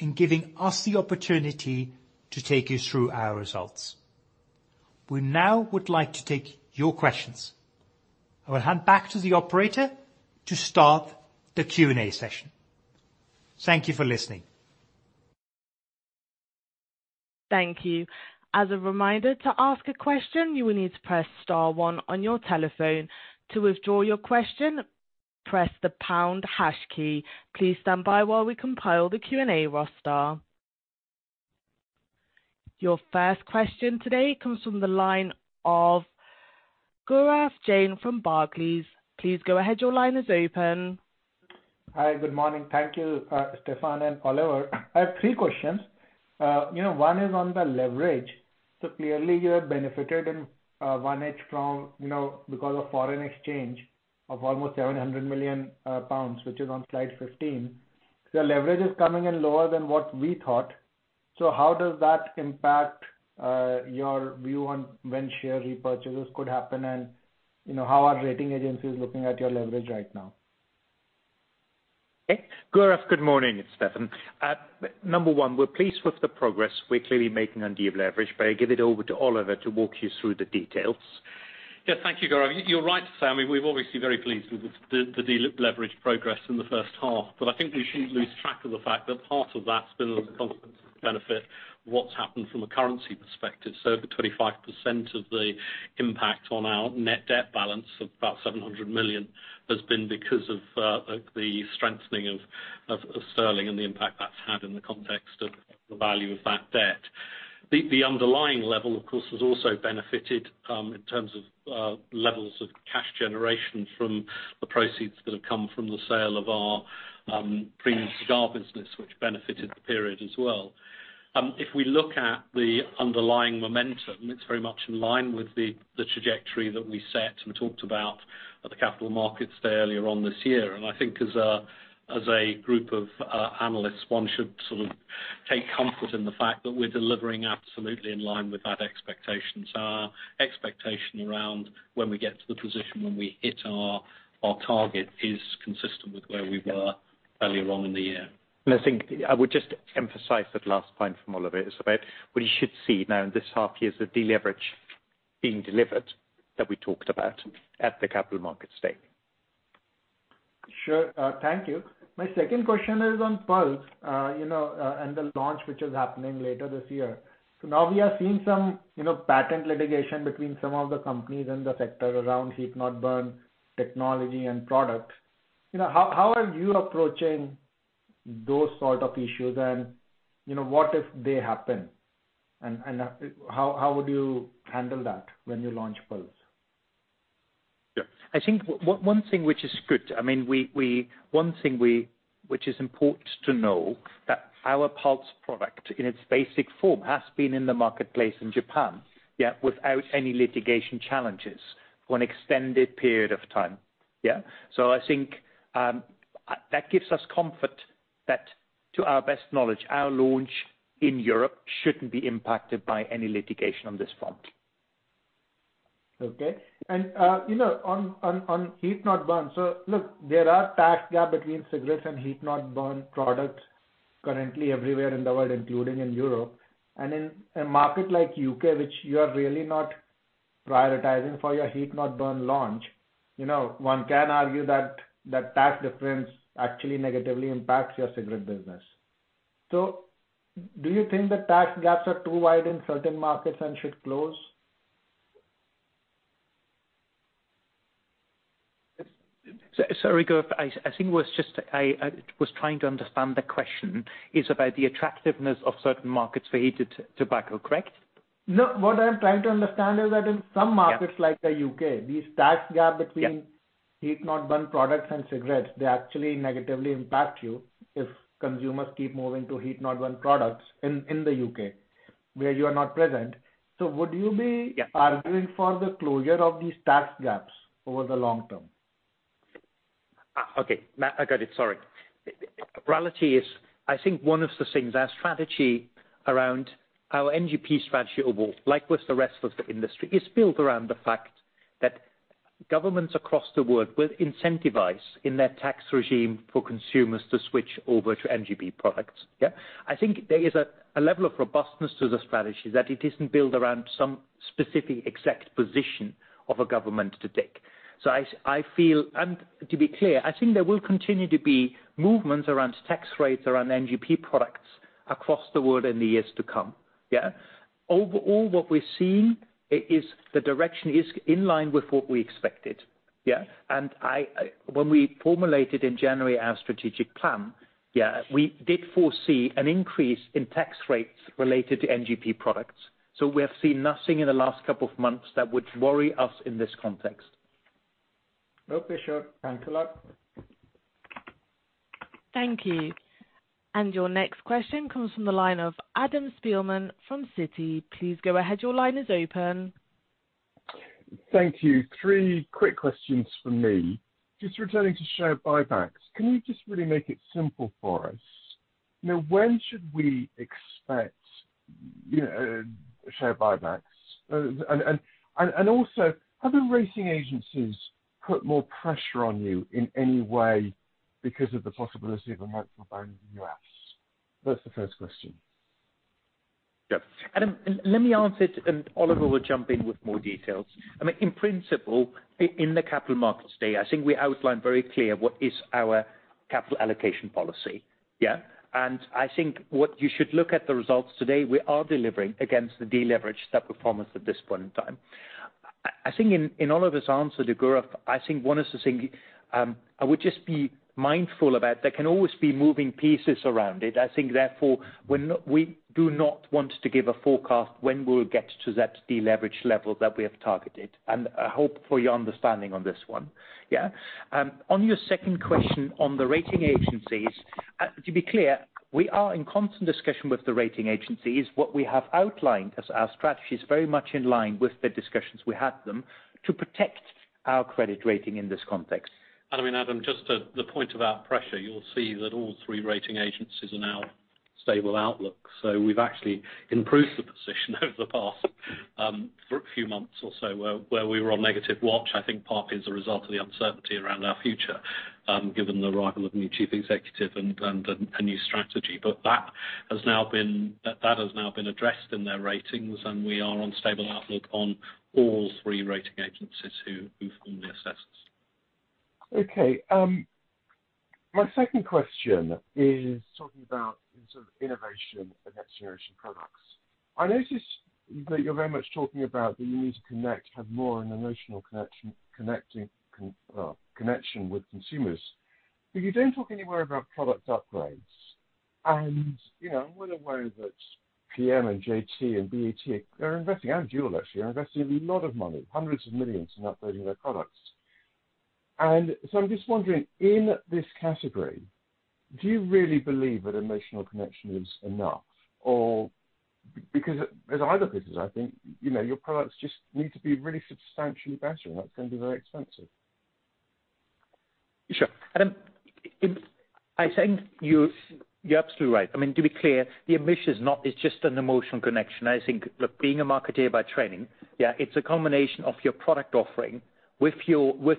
S1: and giving us the opportunity to take you through our results. We now would like to take your questions. I will hand back to the operator to start the Q&A session. Thank you for listening.
S4: Thank you. As a reminder to ask a question you will need to press star one on your telephone. To withdraw your question, press the pound hash key please standby while we compile the Q&A roster. Your first question today comes from the line of Gaurav Jain from Barclays. Please go ahead. Your line is open.
S5: Hi. Good morning. Thank you, Stefan and Oliver. I have three questions. One is on the leverage. Clearly, you have benefited in 1H because of foreign exchange of almost 700 million pounds, which is on Slide 15. Your leverage is coming in lower than what we thought. How does that impact your view on when share repurchases could happen? How are rating agencies looking at your leverage right now?
S1: Okay. Gaurav, good morning. It's Stefan. Number one, we're pleased with the progress we're clearly making on deleverage, but I give it over to Oliver to walk you through the details.
S3: Thank you, Gaurav. You're right to say, we're obviously very pleased with the deleverage progress in the first half. I think we shouldn't lose track of the fact that part of that's been on the benefit of what's happened from a currency perspective. 25% of the impact on our net debt balance of about 700 million has been because of the strengthening of sterling and the impact that's had in the context of the value of that debt. The underlying level, of course, has also benefited in terms of levels of cash generation from the proceeds that have come from the sale of our Premium Cigar business, which benefited the period as well. If we look at the underlying momentum, it's very much in line with the trajectory that we set and talked about at the Capital Markets Day earlier on this year. I think as a group of analysts, one should take comfort in the fact that we're delivering absolutely in line with our expectations. Our expectation around when we get to the position when we hit our target is consistent with where we were earlier on in the year.
S1: I think I would just emphasize that last point from Oliver is, we should see now this half year of deleverage being delivered that we talked about at the Capital Markets Day.
S5: Sure. Thank you. My second question is on Pulze, and the launch, which is happening later this year. Now we are seeing some patent litigation between some of the companies in the sector around heat-not-burn technology and products. How are you approaching those sort of issues and what if they happen and how would you handle that when you launch Pulze?
S1: Yeah. I think one thing which is good, which is important to know, that our Pulze product in its basic form has been in the marketplace in Japan, yeah, without any litigation challenges for an extended period of time. Yeah. I think that gives us comfort that to our best knowledge, our launch in Europe shouldn't be impacted by any litigation on this front.
S5: Okay. On heat-not-burn. Look, there are tax gap between cigarette and heat-not-burn products currently everywhere in the world, including in Europe, and in a market like U.K., which you are really not prioritizing for your heat-not-burn launch. One can argue that that tax difference actually negatively impacts your cigarette business. Do you think the tax gaps are too wide in certain markets and should close?
S1: Sorry, Gaurav. I was trying to understand the question. It is about the attractiveness of certain markets for heated tobacco, correct?
S5: What I'm trying to understand is that in some markets like the U.K., the tax gap between heat-not-burn products and cigarettes, they actually negatively impact you if consumers keep moving to heat-not-burn products in the U.K. where you're not present. Would you be arguing for the closure of these tax gaps over the long term?
S1: Okay. I got it. Sorry. Reality is, I think one of the things, our strategy around our NGP strategy overall, like with the rest of the industry, is built around the fact that governments across the world will incentivize in their tax regime for consumers to switch over to NGP products. Yeah. I think there is a level of robustness to the strategy that it isn't built around some specific exact position of a government to take. I feel, to be clear, I think there will continue to be movements around tax rates around NGP products across the world in the years to come. Yeah. Overall, what we're seeing is the direction is in line with what we expected. Yeah. When we formulated in January our strategic plan, yeah, we did foresee an increase in tax rates related to NGP products. We have seen nothing in the last couple of months that would worry us in this context.
S5: Okay, sure. Thanks a lot.
S4: Thank you. Your next question comes from the line of Adam Spielman from Citi. Please go ahead. Your line is open.
S6: Thank you. Three quick questions from me. Just returning to share buybacks, can you just really make it simple for us? When should we expect share buybacks? Have the rating agencies put more pressure on you in any way because of the possibility of a multiple ban in the U.S.? That's the first question.
S1: Let me answer, Oliver will jump in with more details. In principle, in the capital markets today, I think we outlined very clear what is our capital allocation policy. I think what you should look at the results today, we are delivering against the deleverage that we promised at this point in time. I think in Oliver's answer to Gaurav, I think one of the things I would just be mindful about, there can always be moving pieces around it. I think therefore, we do not want to give a forecast when we'll get to that deleverage level that we have targeted. I hope for your understanding on this one. On your second question on the rating agencies, to be clear, we are in constant discussion with the rating agencies. What we have outlined as our strategy is very much in line with the discussions we had with them to protect our credit rating in this context.
S3: Adam, just the point about pressure, you'll see that all three rating agencies are now Stable outlook. We've actually improved the position over the past few months or so where we were on negative watch, I think partly as a result of the uncertainty around our future, given the arrival of a new chief executive and a new strategy. That has now been addressed in their ratings, and we are on stable outlook on all three rating agencies who formerly assessed us.
S6: Okay. My second question is talking about innovation and Next Generation Products. I noticed that you're very much talking about that you need to connect, have more of an emotional connection with consumers, but you don't talk anywhere about product upgrades. I'm well aware that PM and JT and BAT, they're investing, and Juul actually, are investing a lot of money, hundreds of millions of GBP in upgrading their products. I'm just wondering, in this category, do you really believe that emotional connection is enough? Because as I look at this, I think, your products just need to be really substantially better, and that's going to be very expensive.
S1: Sure. I think you're absolutely right. To be clear, the ambition is not it's just an emotional connection. I think being a marketeer by training, it's a combination of your product offering with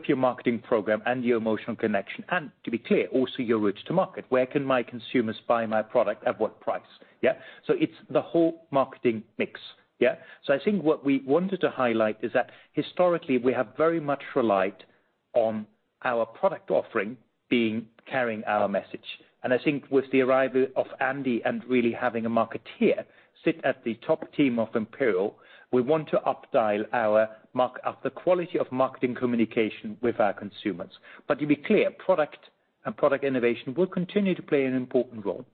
S1: your marketing program and your emotional connection. To be clear, also your route-to-market. Where can my consumers buy my product? At what price? It's the whole marketing mix. I think what we wanted to highlight is that historically, we have very much relied on our product offering carrying our message. I think with the arrival of Andy and really having a marketeer sit at the top team of Imperial, we want to up dial the quality of marketing communication with our consumers. To be clear, product and product innovation will continue to play an important role.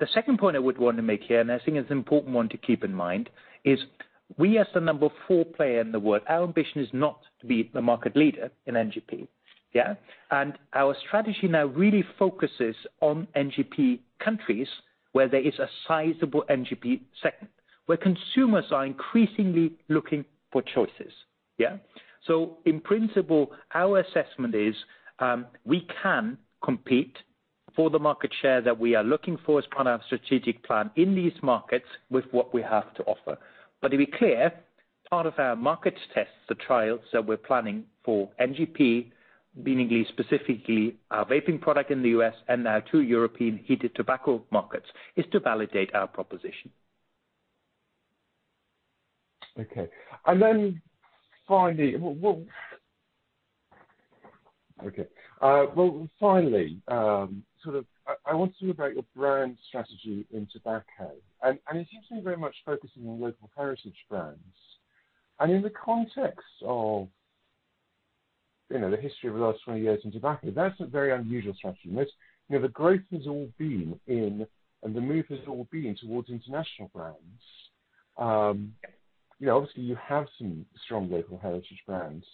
S1: The second point I would want to make here, and I think it's an important one to keep in mind, is we, as the number four player in the world, our ambition is not to be the market leader in NGP. Our strategy now really focuses on NGP countries where there is a sizable NGP segment, where consumers are increasingly looking for choices. In principle, our assessment is, we can compete for the market share that we are looking for as part of our strategic plan in these markets with what we have to offer. To be clear, part of our market tests, the trials that we're planning for NGP, meaning specifically our vaping product in the U.S. and now two European heated tobacco markets, is to validate our proposition.
S6: Okay. Well, finally, I want to talk about your brand strategy in tobacco, and it seems to be very much focusing on local heritage brands. In the context of the history of the last 20 years in tobacco, that's a very unusual strategy. The growth has all been in and the move has all been towards international brands. Obviously, you have some strong local heritage brands,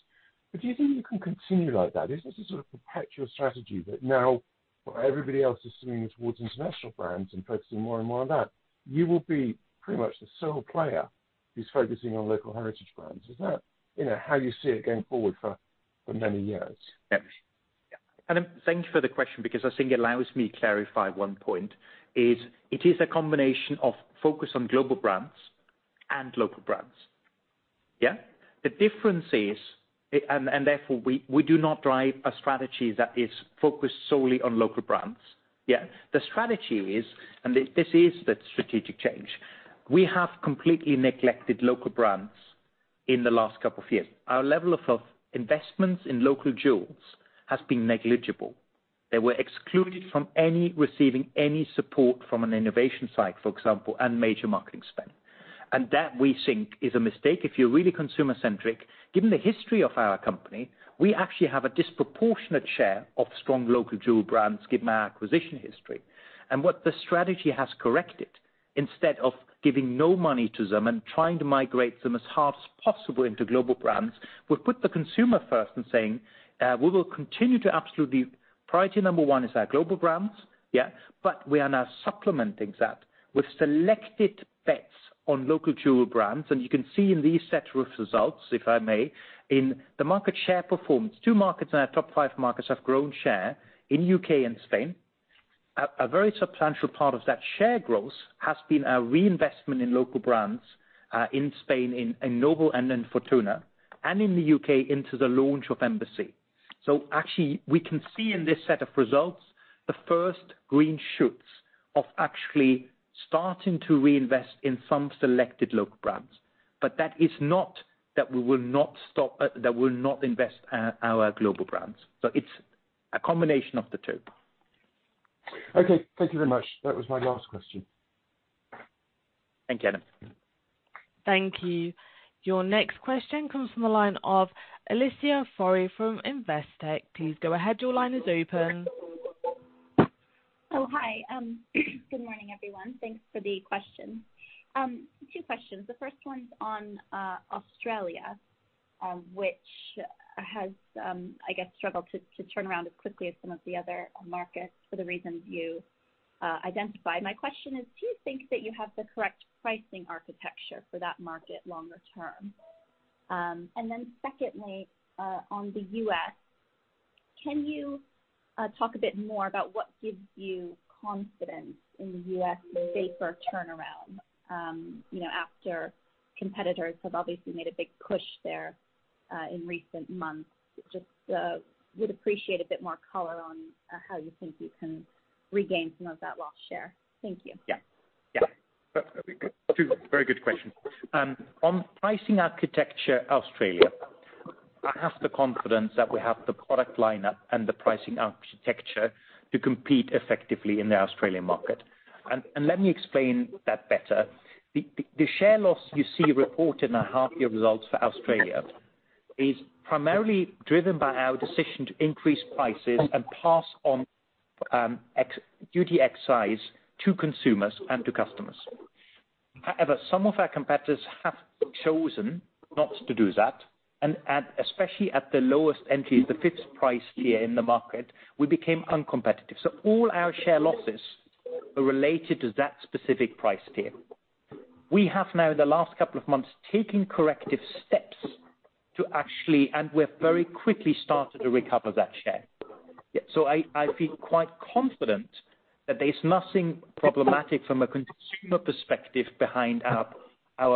S6: but do you think you can continue like that? Is this a sort of perpetual strategy that now while everybody else is swinging towards international brands and focusing more and more on that, you will be pretty much the sole player who's focusing on local heritage brands? Is that how you see it going forward for many years?
S1: Yeah. Thank you for the question because I think it allows me to clarify one point, is it is a combination of focus on global brands and local brands. Yeah. The difference is, and therefore, we do not drive a strategy that is focused solely on local brands. Yeah. The strategy is, and this is the strategic change. We have completely neglected local brands in the last couple of years. Our level of investments in local jewel brands has been negligible. They were excluded from receiving any support from an innovation side, for example, and major marketing spend. That we think is a mistake. If you're really consumer-centric, given the history of our company, we actually have a disproportionate share of strong local jewel brands given our acquisition history. What the strategy has corrected. Instead of giving no money to them and trying to migrate them as fast as possible into global brands, we put the consumer first in saying, we will continue to absolutely, priority number one is our global brands. We are now supplementing that with selected bets on local jewel brands. You can see in these set of results, if I may, in the market share performance, two markets in our top five markets have grown share in U.K. and Spain. A very substantial part of that share growth has been our reinvestment in local brands, in Spain, in Nobel and in Fortuna, and in the U.K. into the launch of Embassy. Actually, we can see in this set of results the first green shoots of actually starting to reinvest in some selected local brands. That is not that we will not invest in our global brands. It's a combination of the two.
S6: Okay. Thank you very much. That was my last question.
S1: Thanks, Adam.
S4: Thank you. Your next question comes from the line of Alicia Forry from Investec. Please go ahead. Your line is open.
S7: Oh, hi. Good morning, everyone. Thanks for the questions. Two questions. The first one's on Australia, which has, I guess, struggled to turn around as quickly as some of the other markets for the reasons you identified. My question is, do you think that you have the correct pricing architecture for that market longer term? Secondly, on the U.S., can you talk a bit more about what gives you confidence in U.S. vapor turnaround, after competitors have obviously made a big push there, in recent months? Just would appreciate a bit more color on how you think you can regain some of that lost share. Thank you.
S1: Yeah. That is very good. Two very good questions. On pricing architecture Australia, I have the confidence that we have the product lineup and the pricing architecture to compete effectively in the Australian market. Let me explain that better. The share loss you see reported in the half year results for Australia is primarily driven by our decision to increase prices and pass on duty excise to consumers and to customers. However, some of our competitors have chosen not to do that, and especially at the lowest entry, the fixed price tier in the market, we became uncompetitive. All our share losses are related to that specific price tier. We have now, the last couple of months, taken corrective steps. We've very quickly started to recover that share. I feel quite confident that there's nothing problematic from a consumer perspective behind our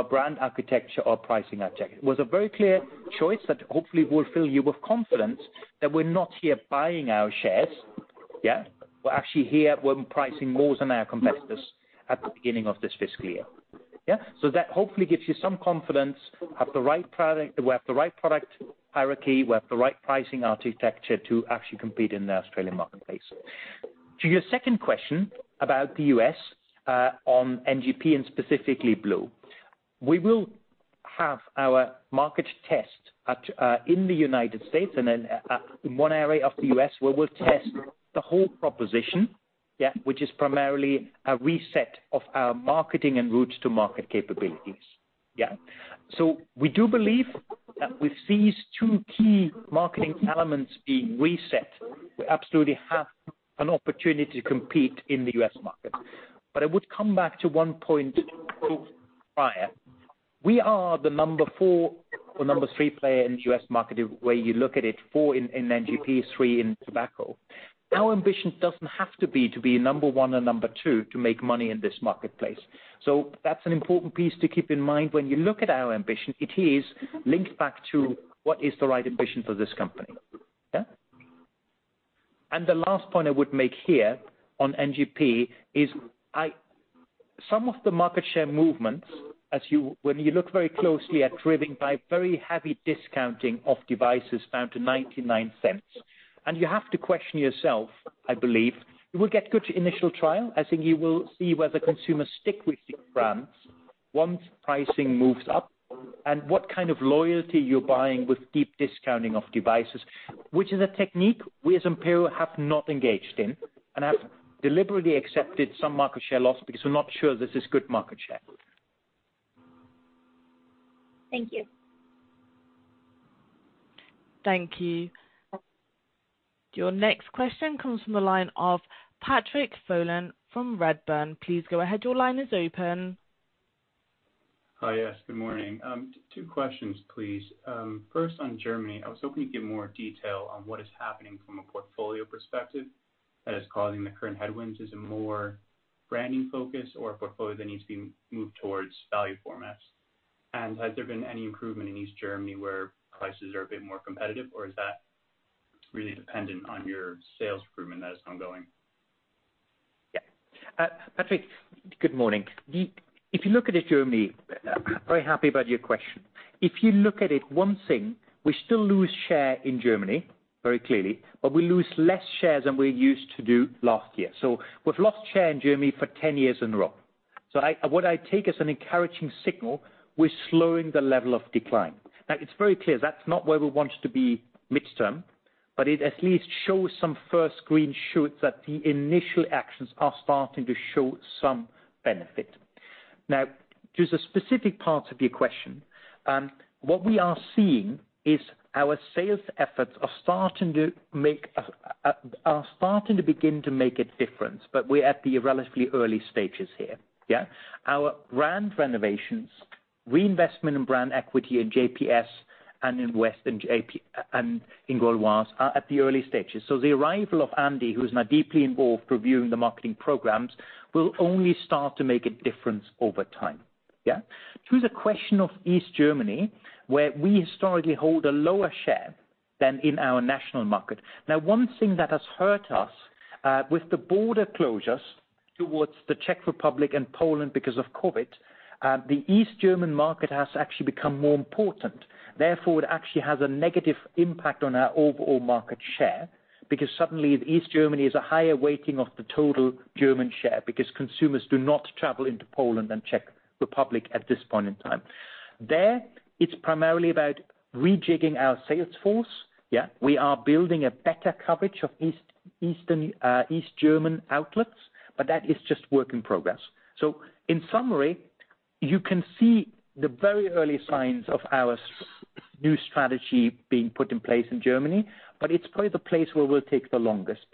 S1: brand architecture or pricing architecture. It was a very clear choice that hopefully will fill you with confidence that we're not here buying our shares. We're actually here, we're pricing wars on our competitors at the beginning of this fiscal year. That hopefully gives you some confidence. We have the right product hierarchy, we have the right pricing architecture to actually compete in the Australian marketplace. To your second question about the U.S., on NGP and specifically blu, we will have our market test in the United States, and in one area of the U.S., where we'll test the whole proposition. Which is primarily a reset of our marketing and route to market capabilities. We do believe that with these two key marketing elements being reset, we absolutely have an opportunity to compete in the U.S. market. I would come back to one point prior. We are the number four or number three player in the U.S. market, where you look at it four in NGP, three in tobacco. Our ambition doesn't have to be to be number one and number two to make money in this marketplace. That's an important piece to keep in mind when you look at our ambition. It is linked back to what is the right ambition for this company. The last point I would make here on NGP is some of the market share movements, when you look very closely, are driven by very heavy discounting of devices down to $0.99. You have to question yourself, I believe, you will get good initial trial. I think you will see whether consumers stick with your brands once pricing moves up and what kind of loyalty you're buying with deep discounting of devices, which is a technique we as Imperial have not engaged in and have deliberately accepted some market share loss because we're not sure this is good market share.
S7: Thank you.
S4: Thank you. Your next question comes from the line of Patrick Folan from Redburn. Please go ahead.
S8: Hi. Yes, good morning. Two questions, please. First on Germany, I was hoping to get more detail on what is happening from a portfolio perspective that is causing the current headwinds. Is it more branding focus or portfolio that needs to be moved towards value formats? Has there been any improvement in East Germany where prices are a bit more competitive, or is that really dependent on your sales improvement that's ongoing?
S1: Yeah. Patrick, good morning. Very happy about your question. If you look at it, one thing, we still lose share in Germany very clearly, but we lose less share than we used to do last year. We've lost share in Germany for 10 years in a row. What I take as an encouraging signal, we're slowing the level of decline. It's very clear that's not where we want to be midterm. It at least shows some first green shoots that the initial actions are starting to show some benefit. Just a specific part of your question. What we are seeing is our sales efforts are starting to begin to make a difference, but we're at the relatively early stages here. Yeah. Our brand renovations, reinvestment in brand equity in JPS and in West and in Gold Leaf are at the early stages. The arrival of Anindya Dasgupta, who's now deeply involved reviewing the marketing programs, will only start to make a difference over time. To the question of East Germany, where we historically hold a lower share than in our national market. One thing that has hurt us, with the border closures towards the Czech Republic and Poland because of COVID-19, the East German market has actually become more important, therefore it actually has a negative impact on our overall market share, because suddenly East Germany is a higher weighting of the total German share, because consumers do not travel into Poland and Czech Republic at this point in time. There, it's primarily about rejigging our sales force. We are building a better coverage of East German outlets, but that is just work in progress. In summary, you can see the very early signs of our new strategy being put in place in Germany, but it's probably the place where we'll take the longest.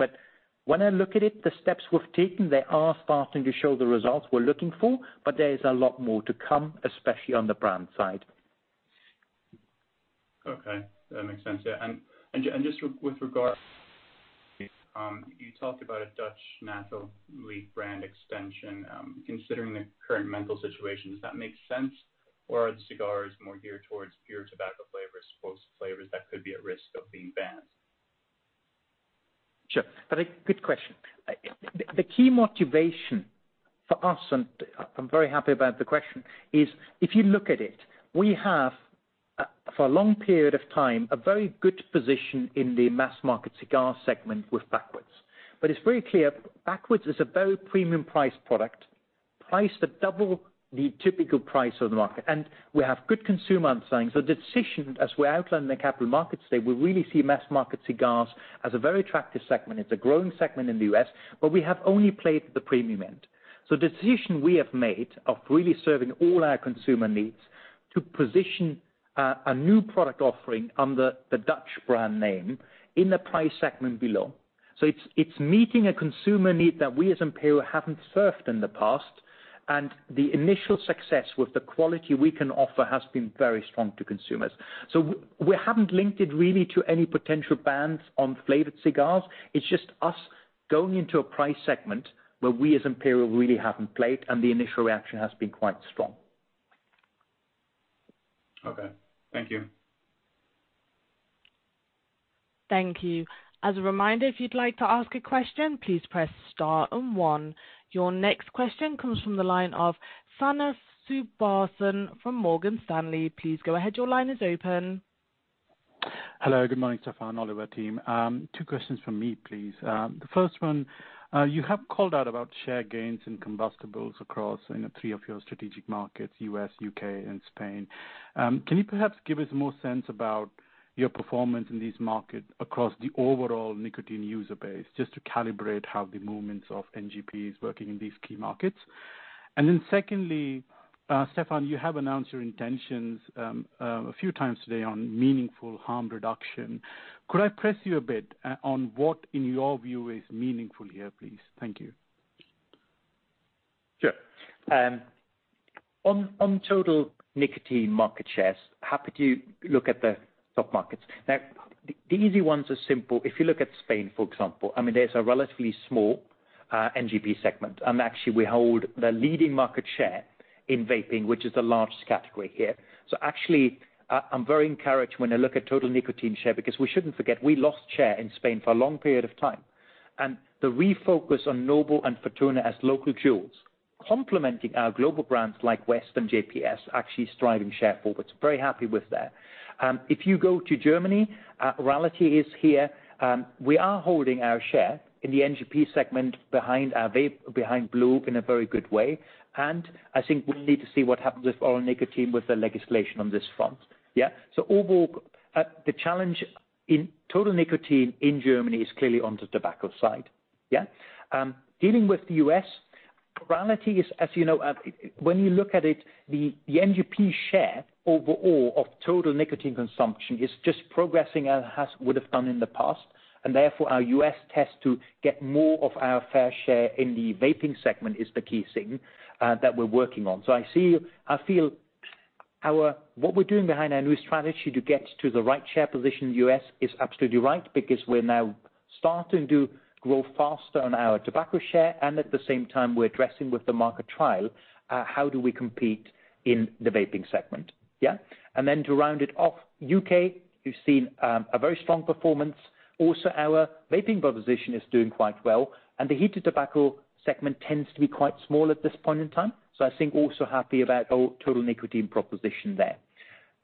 S1: When I look at it, the steps we've taken, they are starting to show the results we're looking for, but there's a lot more to come, especially on the brand side.
S8: Okay, that makes sense. Just with regard, you talked about a Dutch Menthol Leaf brand extension. Considering the current menthol situation, does that make sense? Are the cigars more geared towards pure tobacco flavors, as opposed to flavors that could be at risk of being banned?
S1: Sure. Good question. The key motivation for us, and I am very happy about the question, is if you look at it, we have, for a long period of time, a very good position in the mass-market cigar segment with Backwoods. It's very clear Backwoods is a very premium priced product, priced at double the typical price of the market. We have good consumer insights. The decision, as we outlined in the capital markets today, we really see mass-market cigars as a very attractive segment. It's a growing segment in the U.S., but we have only played at the premium end. The decision we have made of really serving all our consumer needs to position a new product offering under the Dutch brand name in a price segment below. It's meeting a consumer need that we as Imperial haven't served in the past, and the initial success with the quality we can offer has been very strong to consumers. We haven't linked it really to any potential bans on flavored cigars. It's just us going into a price segment where we as Imperial really haven't played, and the initial reaction has been quite strong.
S8: Okay. Thank you.
S4: Thank you. As a reminder, if you'd like to ask a question, please press star and one. Your next question comes from the line of Sanath Sudarsan from Morgan Stanley. Please go ahead. Your line is open.
S9: Hello, good morning, Stefan and Oliver team. Two questions from me, please. The first one, you have called out about share gains in combustible across in the three of your strategic markets, U.S., U.K., and Spain. Can you perhaps give us more sense about your performance in these markets across the overall nicotine user base, just to calibrate how the movements of NGP is working in these key markets? Secondly, Stefan, you have announced your intentions a few times today on meaningful harm reduction. Could I press you a bit on what in your view is meaningful here, please? Thank you.
S1: Sure. On total nicotine market shares, happy to look at the top markets. Now, the easy ones are simple. If you look at Spain, for example, there's a relatively small NGP segment, and actually we hold the leading market share in vaping, which is the largest category here. Actually, I'm very encouraged when I look at total nicotine share, because we shouldn't forget, we lost share in Spain for a long period of time. The refocus on Nobel and Fortuna as local jewels, complementing our global brands like West and JPS, actually striving share forward. Very happy with that. If you go to Germany, reality is here, we are holding our share in the NGP segment behind blu in a very good way, and I think we need to see what happens with our nicotine with the legislation on this front. Yeah. Overall, the challenge in total nicotine in Germany is clearly on the tobacco side. Yeah. Dealing with the U.S., reality is, as you know, when you look at it, the NGP share overall of total nicotine consumption is just progressing as it would have done in the past, and therefore our U.S. test to get more of our fair share in the vaping segment is the key thing that we're working on. I feel what we're doing behind our new strategy to get to the right share position in the U.S. is absolutely right, because we're now starting to grow faster on our tobacco share, and at the same time, we're addressing with the market trial, how do we compete in the vaping segment? Yeah. To round it off, U.K., you've seen a very strong performance. Also, our vaping proposition is doing quite well. The heated tobacco segment tends to be quite small at this point in time. I think also happy about our total nicotine proposition there.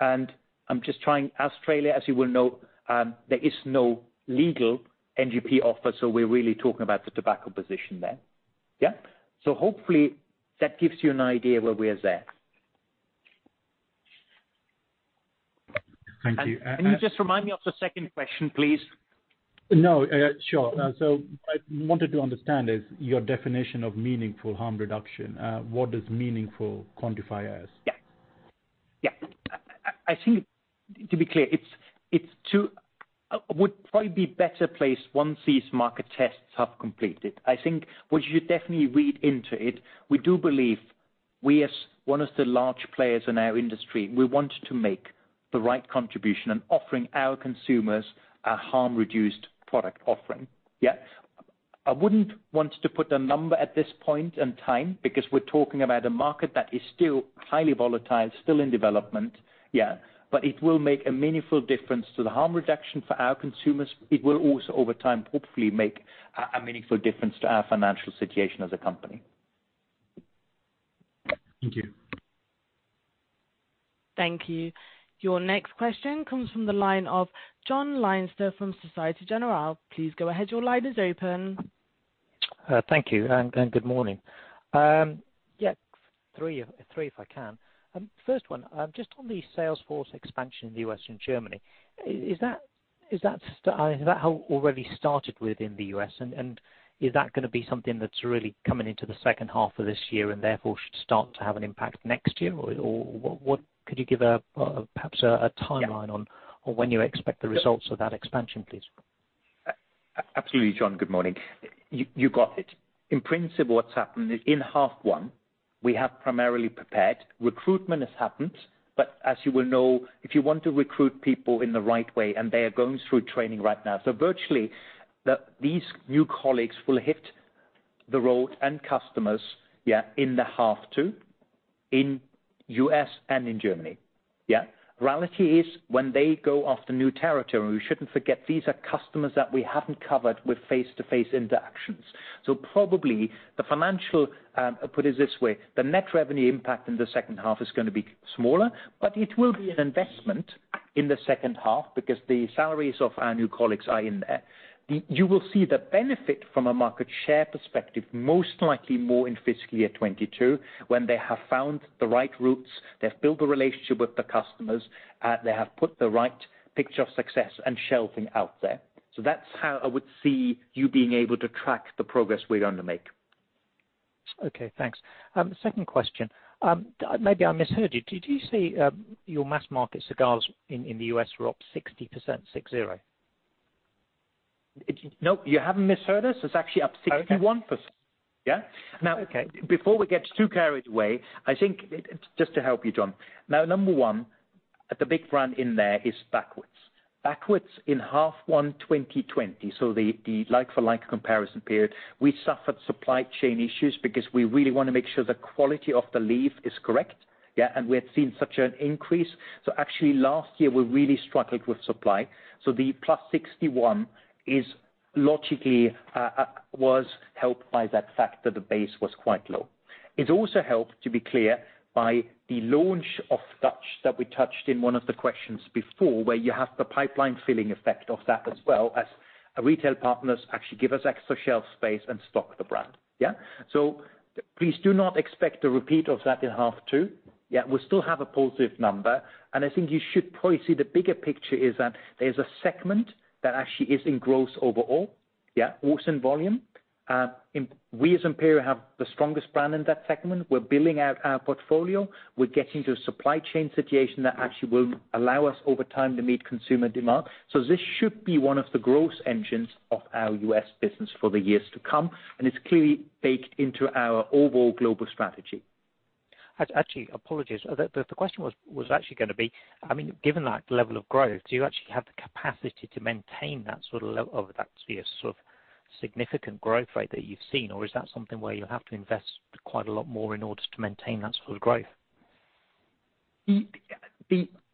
S1: I'm just trying, Australia, as you will know, there is no legal NGP offer. We're really talking about the tobacco position there. Yeah. Hopefully, that gives you an idea where we're there. Thank you. Can you just remind me of the second question, please?
S9: No. Sure. What I wanted to understand is your definition of meaningful harm reduction. What does meaningful quantify as?
S1: I think, to be clear, it would probably be better placed once these market tests have completed. I think what you should definitely read into it, we do believe we as one of the large players in our industry, we wanted to make the right contribution and offering our consumers a harm-reduced product offering. I wouldn't want to put a number at this point in time because we're talking about a market that is still highly volatile, still in development, but it will make a meaningful difference to the harm reduction for our consumers. It will also, over time, hopefully make a meaningful difference to our financial situation as a company.
S9: Thank you.
S4: Thank you. Your next question comes from the line of Jon Leinster from Societe Generale. Please go ahead. Your line is open.
S10: Thank you, good morning. Three if I can. First one, just on the sales force expansion in the U.S. and Germany, is that how it already started within the U.S., and is that going to be something that's really coming into the second half of this year and therefore should start to have an impact next year? Could you give perhaps a timeline on when you expect the results of that expansion, please?
S1: Absolutely, John. Good morning. You got it. In principle, what has happened is in half 1, we have primarily prepared. Recruitment has happened, but as you will know, if you want to recruit people in the right way, and they are going through training right now. Virtually, these new colleagues will hit the road and customers in the half two in the U.S. and in Germany. Reality is when they go after new territory, we shouldn't forget these are customers that we haven't covered with face-to-face interactions. Probably the financial, put it this way, the net revenue impact in the second half is going to be smaller, but it will be an investment in the second half because the salaries of our new colleagues are in there. You will see the benefit from a market share perspective, most likely more in fiscal year 2022, when they have found the right routes, they've built a relationship with the customers, they have put the right picture of success and shelfing out there. That's how I would see you being able to track the progress we're going to make.
S10: Okay, thanks. Second question. Maybe I misheard you. Did you say your mass-market cigars in the U.S. were up 60%, six, zero?
S1: No, you haven't misheard us. It's actually up 61%. Yeah. Okay, before we get too carried away, I think, just to help you, John. Number one, the big brand in there is Backwoods. Backwoods in half one 2020, so the like-for-like comparison period, we suffered supply chain issues because we really want to make sure the quality of the leaf is correct. Yeah, we have seen such an increase. Actually, last year, we really struggled with supply. The plus 61 logically was helped by that fact that the base was quite low. It also helped, to be clear, by the launch of Dutch that we touched in one of the questions before, where you have the pipeline filling effect of that as well, as our retail partners actually give us extra shelf space and stock the brand. Yeah. Please do not expect a repeat of that in half two. We'll still have a positive number, I think you should probably see the bigger picture is that there's a segment that actually is in growth overall, also in volume. We as Imperial have the strongest brand in that segment. We're building out our portfolio. We're getting to a supply chain situation that actually will allow us over time to meet consumer demand. This should be one of the growth engines of our U.S. business for the years to come, it's clearly baked into our overall global strategy.
S10: Actually, apologies. The question was actually going to be, given that level of growth, do you actually have the capacity to maintain that sort of level of that sort of significant growth rate that you've seen, or is that something where you'll have to invest quite a lot more in order to maintain that sort of growth?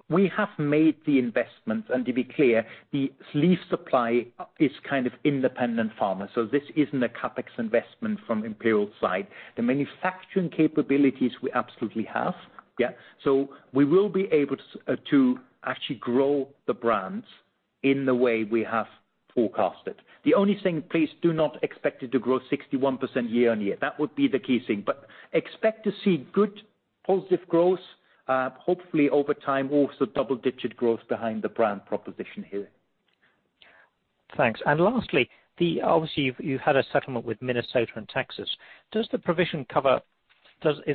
S1: We have made the investments. To be clear, the leaf supply is kind of independent farmers, so this isn't a CapEx investment from Imperial's side. The manufacturing capabilities we absolutely have, yeah. We will be able to actually grow the brands in the way we have forecasted. The only thing, please do not expect it to grow 61% year on year. That would be the key thing. Expect to see good, positive growth, hopefully over time, also double-digit growth behind the brand proposition here.
S10: Thanks. Lastly, obviously, you've had a settlement with Minnesota and Texas. Is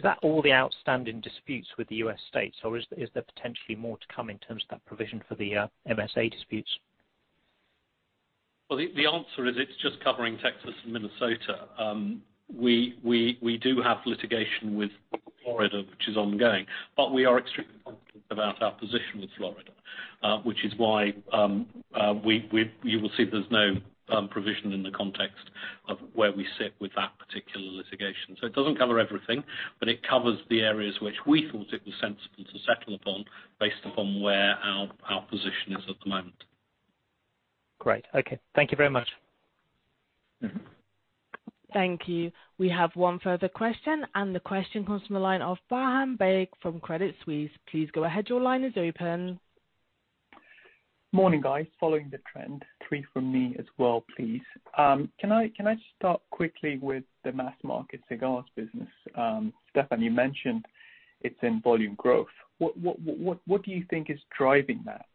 S10: that all the outstanding disputes with the U.S. states, or is there potentially more to come in terms of that provision for the MSA disputes?
S3: I think the answer is it's just covering Texas and Minnesota. We do have litigation with Florida, which is ongoing, but we are extremely confident about our position with Florida, which is why you will see there's no provision in the context of where we sit with that particular litigation. It doesn't cover everything, but it covers the areas which we thought it was sensible to settle upon based upon where our position is at the moment.
S10: Great. Okay. Thank you very much.
S4: Thank you. We have one further question, and the question comes from the line of Faham Baig from Credit Suisse. Please go ahead. Your line is open.
S11: Morning, guys. Following the trend, three from me as well, please. Can I start quickly with the mass-market cigars business? Stefan, you mentioned it's in volume growth. What do you think is driving that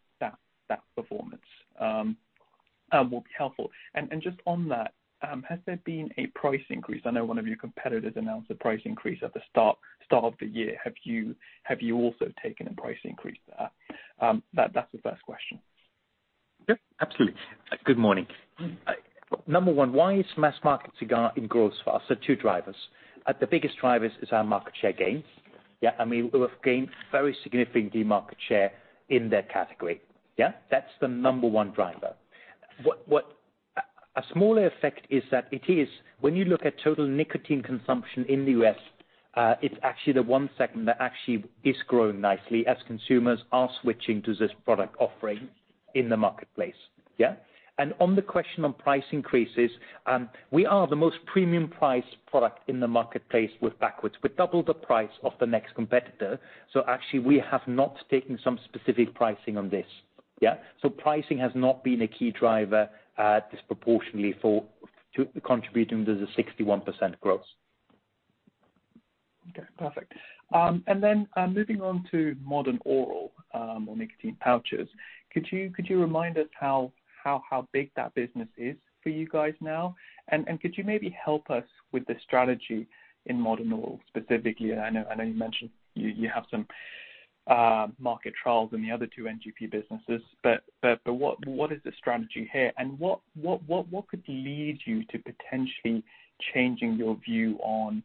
S11: performance? What would be helpful? Just on that, has there been a price increase? I know one of your competitors announced a price increase at the start of the year. Have you also taken a price increase there? That's the first question.
S1: Yeah, absolutely. Good morning. Number one, why is mass-market cigar in growth? Two drivers. The biggest driver is our market share gains. Yeah, we have gained very significantly market share in that category. Yeah, that's the number one driver. A smaller effect is that when you look at total nicotine consumption in the U.S., it's actually the one segment that actually is growing nicely as consumers are switching to this product offering in the marketplace. Yeah. On the question of price increases, we are the most premium priced product in the marketplace with Backwoods. We're double the price of the next competitor. Actually, we have not taken some specific pricing on this. Yeah, pricing has not been a key driver disproportionately for contributing to the 61% growth.
S11: Okay, perfect. Moving on to modern oral nicotine pouches. Could you remind us how big that business is for you guys now? Could you maybe help us with the strategy in modern oral specifically? I know you mentioned you have some market trials in the other two NGP businesses, but what is the strategy here, and what could lead you to potentially changing your view on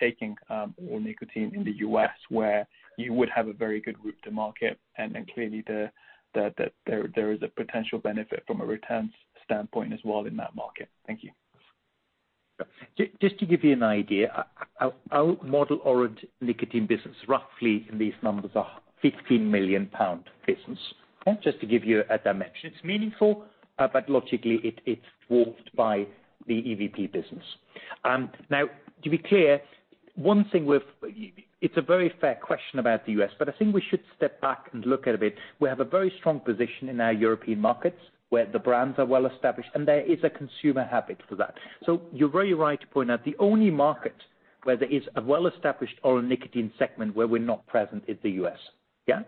S11: taking oral nicotine in the U.S., where you would have a very good route to market, and then clearly there is a potential benefit from a return standpoint as well in that market? Thank you.
S1: Just to give you an idea, our modern oral nicotine business, roughly these numbers are a 15 million pound business. Just to give you a dimension. It's meaningful, but logically, it's dwarfed by the EVP business. Now to be clear, it's a very fair question about the U.S., but I think we should step back and look at it. We have a very strong position in our European markets where the brands are well-established, and there is a consumer habit for that. You're very right to point out the only market where there is a well-established oral nicotine segment where we're not present is the U.S. Yeah,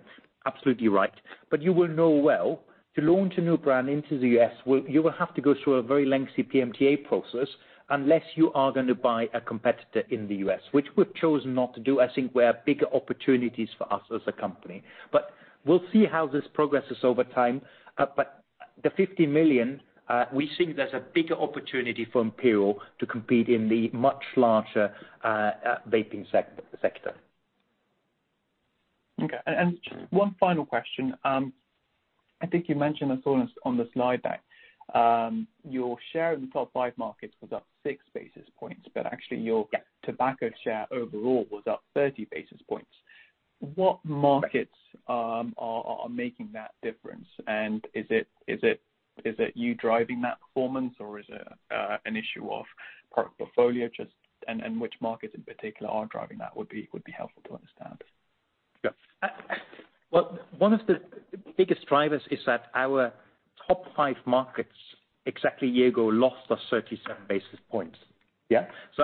S1: absolutely right. You will know well, to launch a new brand into the U.S., you will have to go through a very lengthy PMTA process unless you are going to buy a competitor in the U.S., which we've chosen not to do. I think we have bigger opportunities for us as a company. We'll see how this progresses over time. The 15 million, we see there's a bigger opportunity for Imperial to compete in the much larger vaping sector.
S11: Okay, one final question. I think you mentioned as well on the slide deck, your share in the top five markets was up 6 basis points, but actually your tobacco share overall was up 30 basis points. What markets are making that difference? Is it you driving that performance, or is it an issue of product portfolio? Which markets in particular are driving that would be helpful to understand.
S1: One of the biggest drivers is that our top five markets exactly a year ago lost us 37 basis points.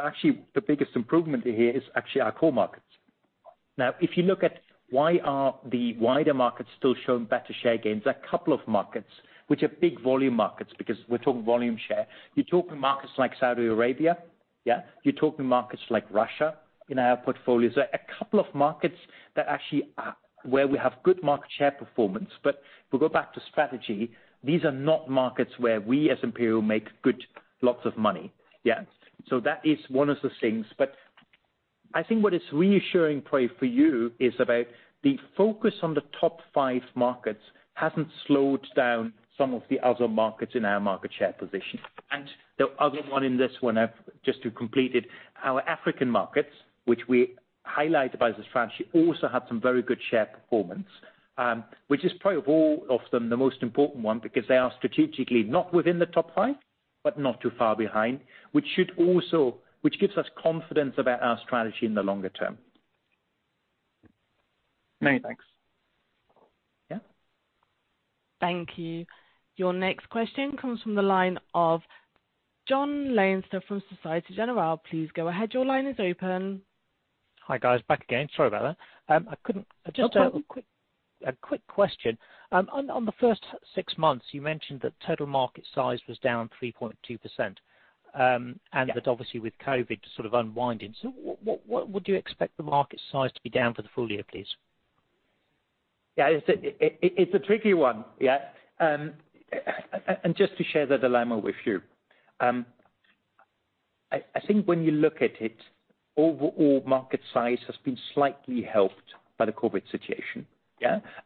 S1: Actually the biggest improvement here is actually our core markets. If you look at why are the wider markets still showing better share gains, there are a couple of markets which are big volume markets because we're talking volume share. You're talking markets like Saudi Arabia. You're talking markets like Russia in our portfolio. A couple of markets that actually where we have good market share performance. If we go back to strategy, these are not markets where we as Imperial make good lots of money. That is one of the things, but I think what is reassuring probably for you is about the focus on the top five markets hasn't slowed down some of the other markets in our market share position. The other one in this one, just to complete it, our African markets, which we highlighted as a strategy, also had some very good share performance, which is probably of all of them, the most important one because they are strategically not within the top five, but not too far behind, which gives us confidence about our strategy in the longer term.
S11: No, thanks.
S1: Yeah.
S4: Thank you. Your next question comes from the line of Jonathan Leinster from Societe Generale. Please go ahead. Your line is open.
S10: Hi, guys. Back again. Sorry about that.
S1: No problem.
S10: Just a quick question. On the first six months, you mentioned that total market size was down 3.2%, and that obviously with COVID sort of unwinding. What would you expect the market size to be down for the full year, please?
S1: Yeah, it's a tricky one. Yeah, just to share the dilemma with you. I think when you look at it, overall market size has been slightly helped by the COVID situation.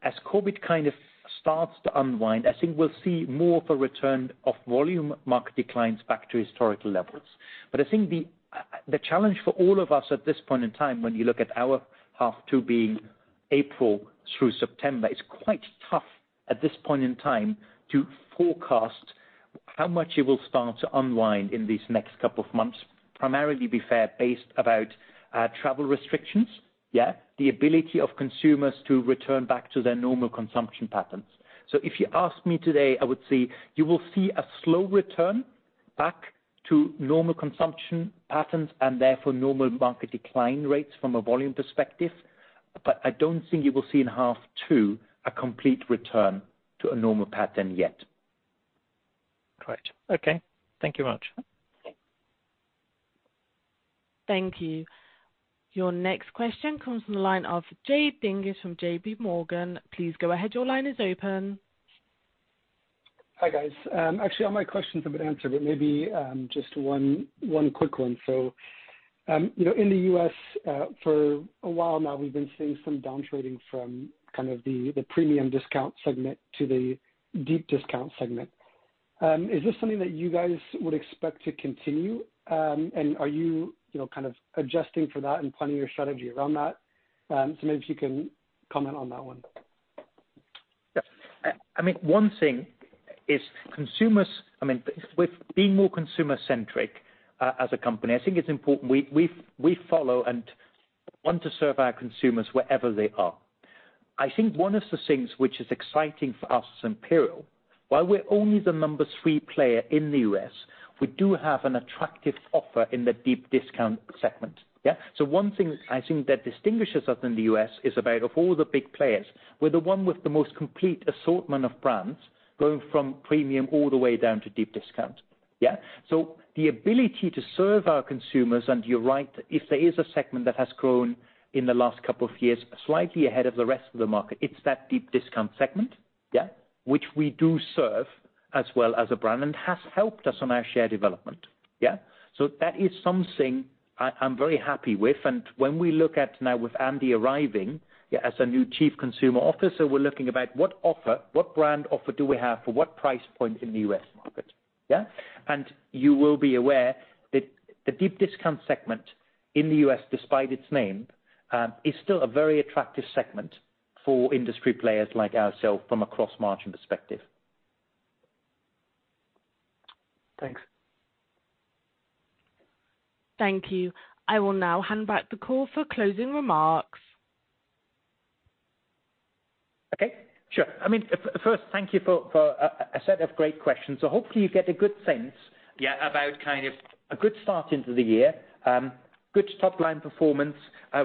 S1: As COVID kind of starts to unwind, I think we'll see more of a return of volume market declines back to historical levels. I think the challenge for all of us at this point in time, when you look at our half two being April through September, it's quite tough at this point in time to forecast how much it will start to unwind in these next couple of months, primarily, to be fair, based about travel restrictions. The ability of consumers to return back to their normal consumption patterns. If you ask me today, I would say you will see a slow return back to normal consumption patterns and therefore normal market decline rates from a volume perspective. I don't think you will see in half two a complete return to a normal pattern yet.
S10: Great. Okay. Thank you much.
S4: Thank you. Your next question comes on the line from Jared Dinges from JP Morgan. Please go ahead. Your line is open.
S12: Hi, guys. Actually, all my questions have been answered, but maybe just one quick one. In the U.S. for a while now, we've been seeing some downtrading from the premium discount segment to the deep discount segment. Is this something that you guys would expect to continue? Are you adjusting for that and planning your strategy around that? Maybe if you can comment on that one.
S1: I think one thing is with being more consumer-centric as a company, I think it's important we follow and want to serve our consumers wherever they are. I think one of the things which is exciting for us as Imperial, while we're only the number three player in the U.S., we do have an attractive offer in the deep discount segment. Yeah. One thing I think that distinguishes us in the U.S. is about of all the big players, we're the one with the most complete assortment of brands going from premium all the way down to deep discounts. Yeah. The ability to serve our consumers, and you're right, if there is a segment that has grown in the last couple of years, slightly ahead of the rest of the market, it's that deep discount segment. Yeah. Which we do serve as well as a brand and has helped us on our share development. Yeah. That is something I'm very happy with. When we look at now with Andy arriving as a new Chief Consumer Officer, we're looking about what offer, what brand offer do we have for what price point in the U.S. market. Yeah. You will be aware that the deep discount segment in the U.S., despite its name, is still a very attractive segment for industry players like ourselves from a gross-margin perspective.
S12: Thanks.
S4: Thank you. I will now hand back the call for closing remarks.
S1: Okay, sure. First, thank you for a set of great questions. Hopefully you get a good sense about a good start into the year. Good top-line performance,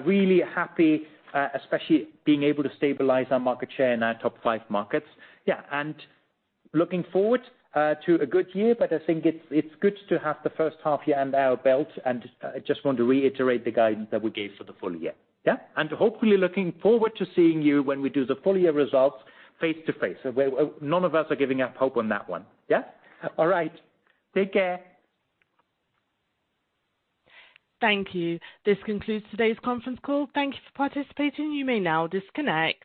S1: really happy, especially being able to stabilize our market share in our top five markets. Looking forward to a good year, but I think it's good to have the first half under our belt, and I just want to reiterate the guidance that we gave for the full year. Hopefully looking forward to seeing you when we do the full year results face to face. None of us are giving up hope on that one. All right. Take care.
S4: Thank you. This concludes today's conference call. Thank you for participating. You may now disconnect.